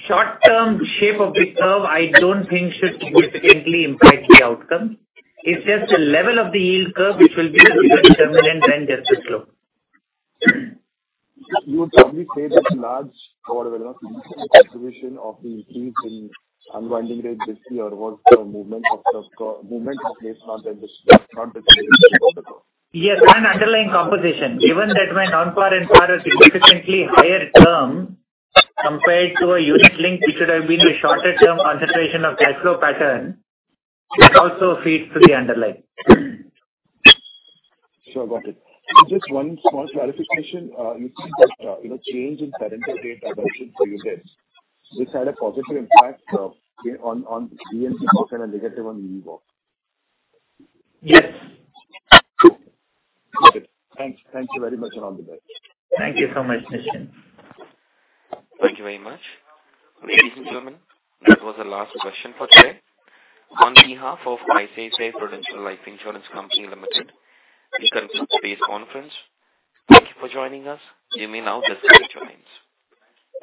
short term shape of the curve I don't think should significantly impact the outcome. It's just the level of the yield curve which will be a bigger determinant than just the slope. You would probably say that large or whatever, you know, observation of the increase in unwinding rate basically reverts the movement of the curve, movement that takes place, not the direction of the curve. Yes, underlying composition. Given that my non-par and par are significantly higher term compared to a unit link which would have been a shorter term concentration of cash flow pattern, it also feeds to the underlying. Sure. Got it. Just one small clarification. You think that, you know, change in parental rate assumption for unit, which had a positive impact, on VMC book and a negative on VUL book? Yes. Got it. Thanks. Thank you very much and all the best. Thank you so much, Nishant. Thank you very much. Ladies and gentlemen, that was the last question for today. On behalf of ICICI Prudential Life Insurance Company Limited, we conclude today's conference. Thank you for joining us. You may now disconnect your lines.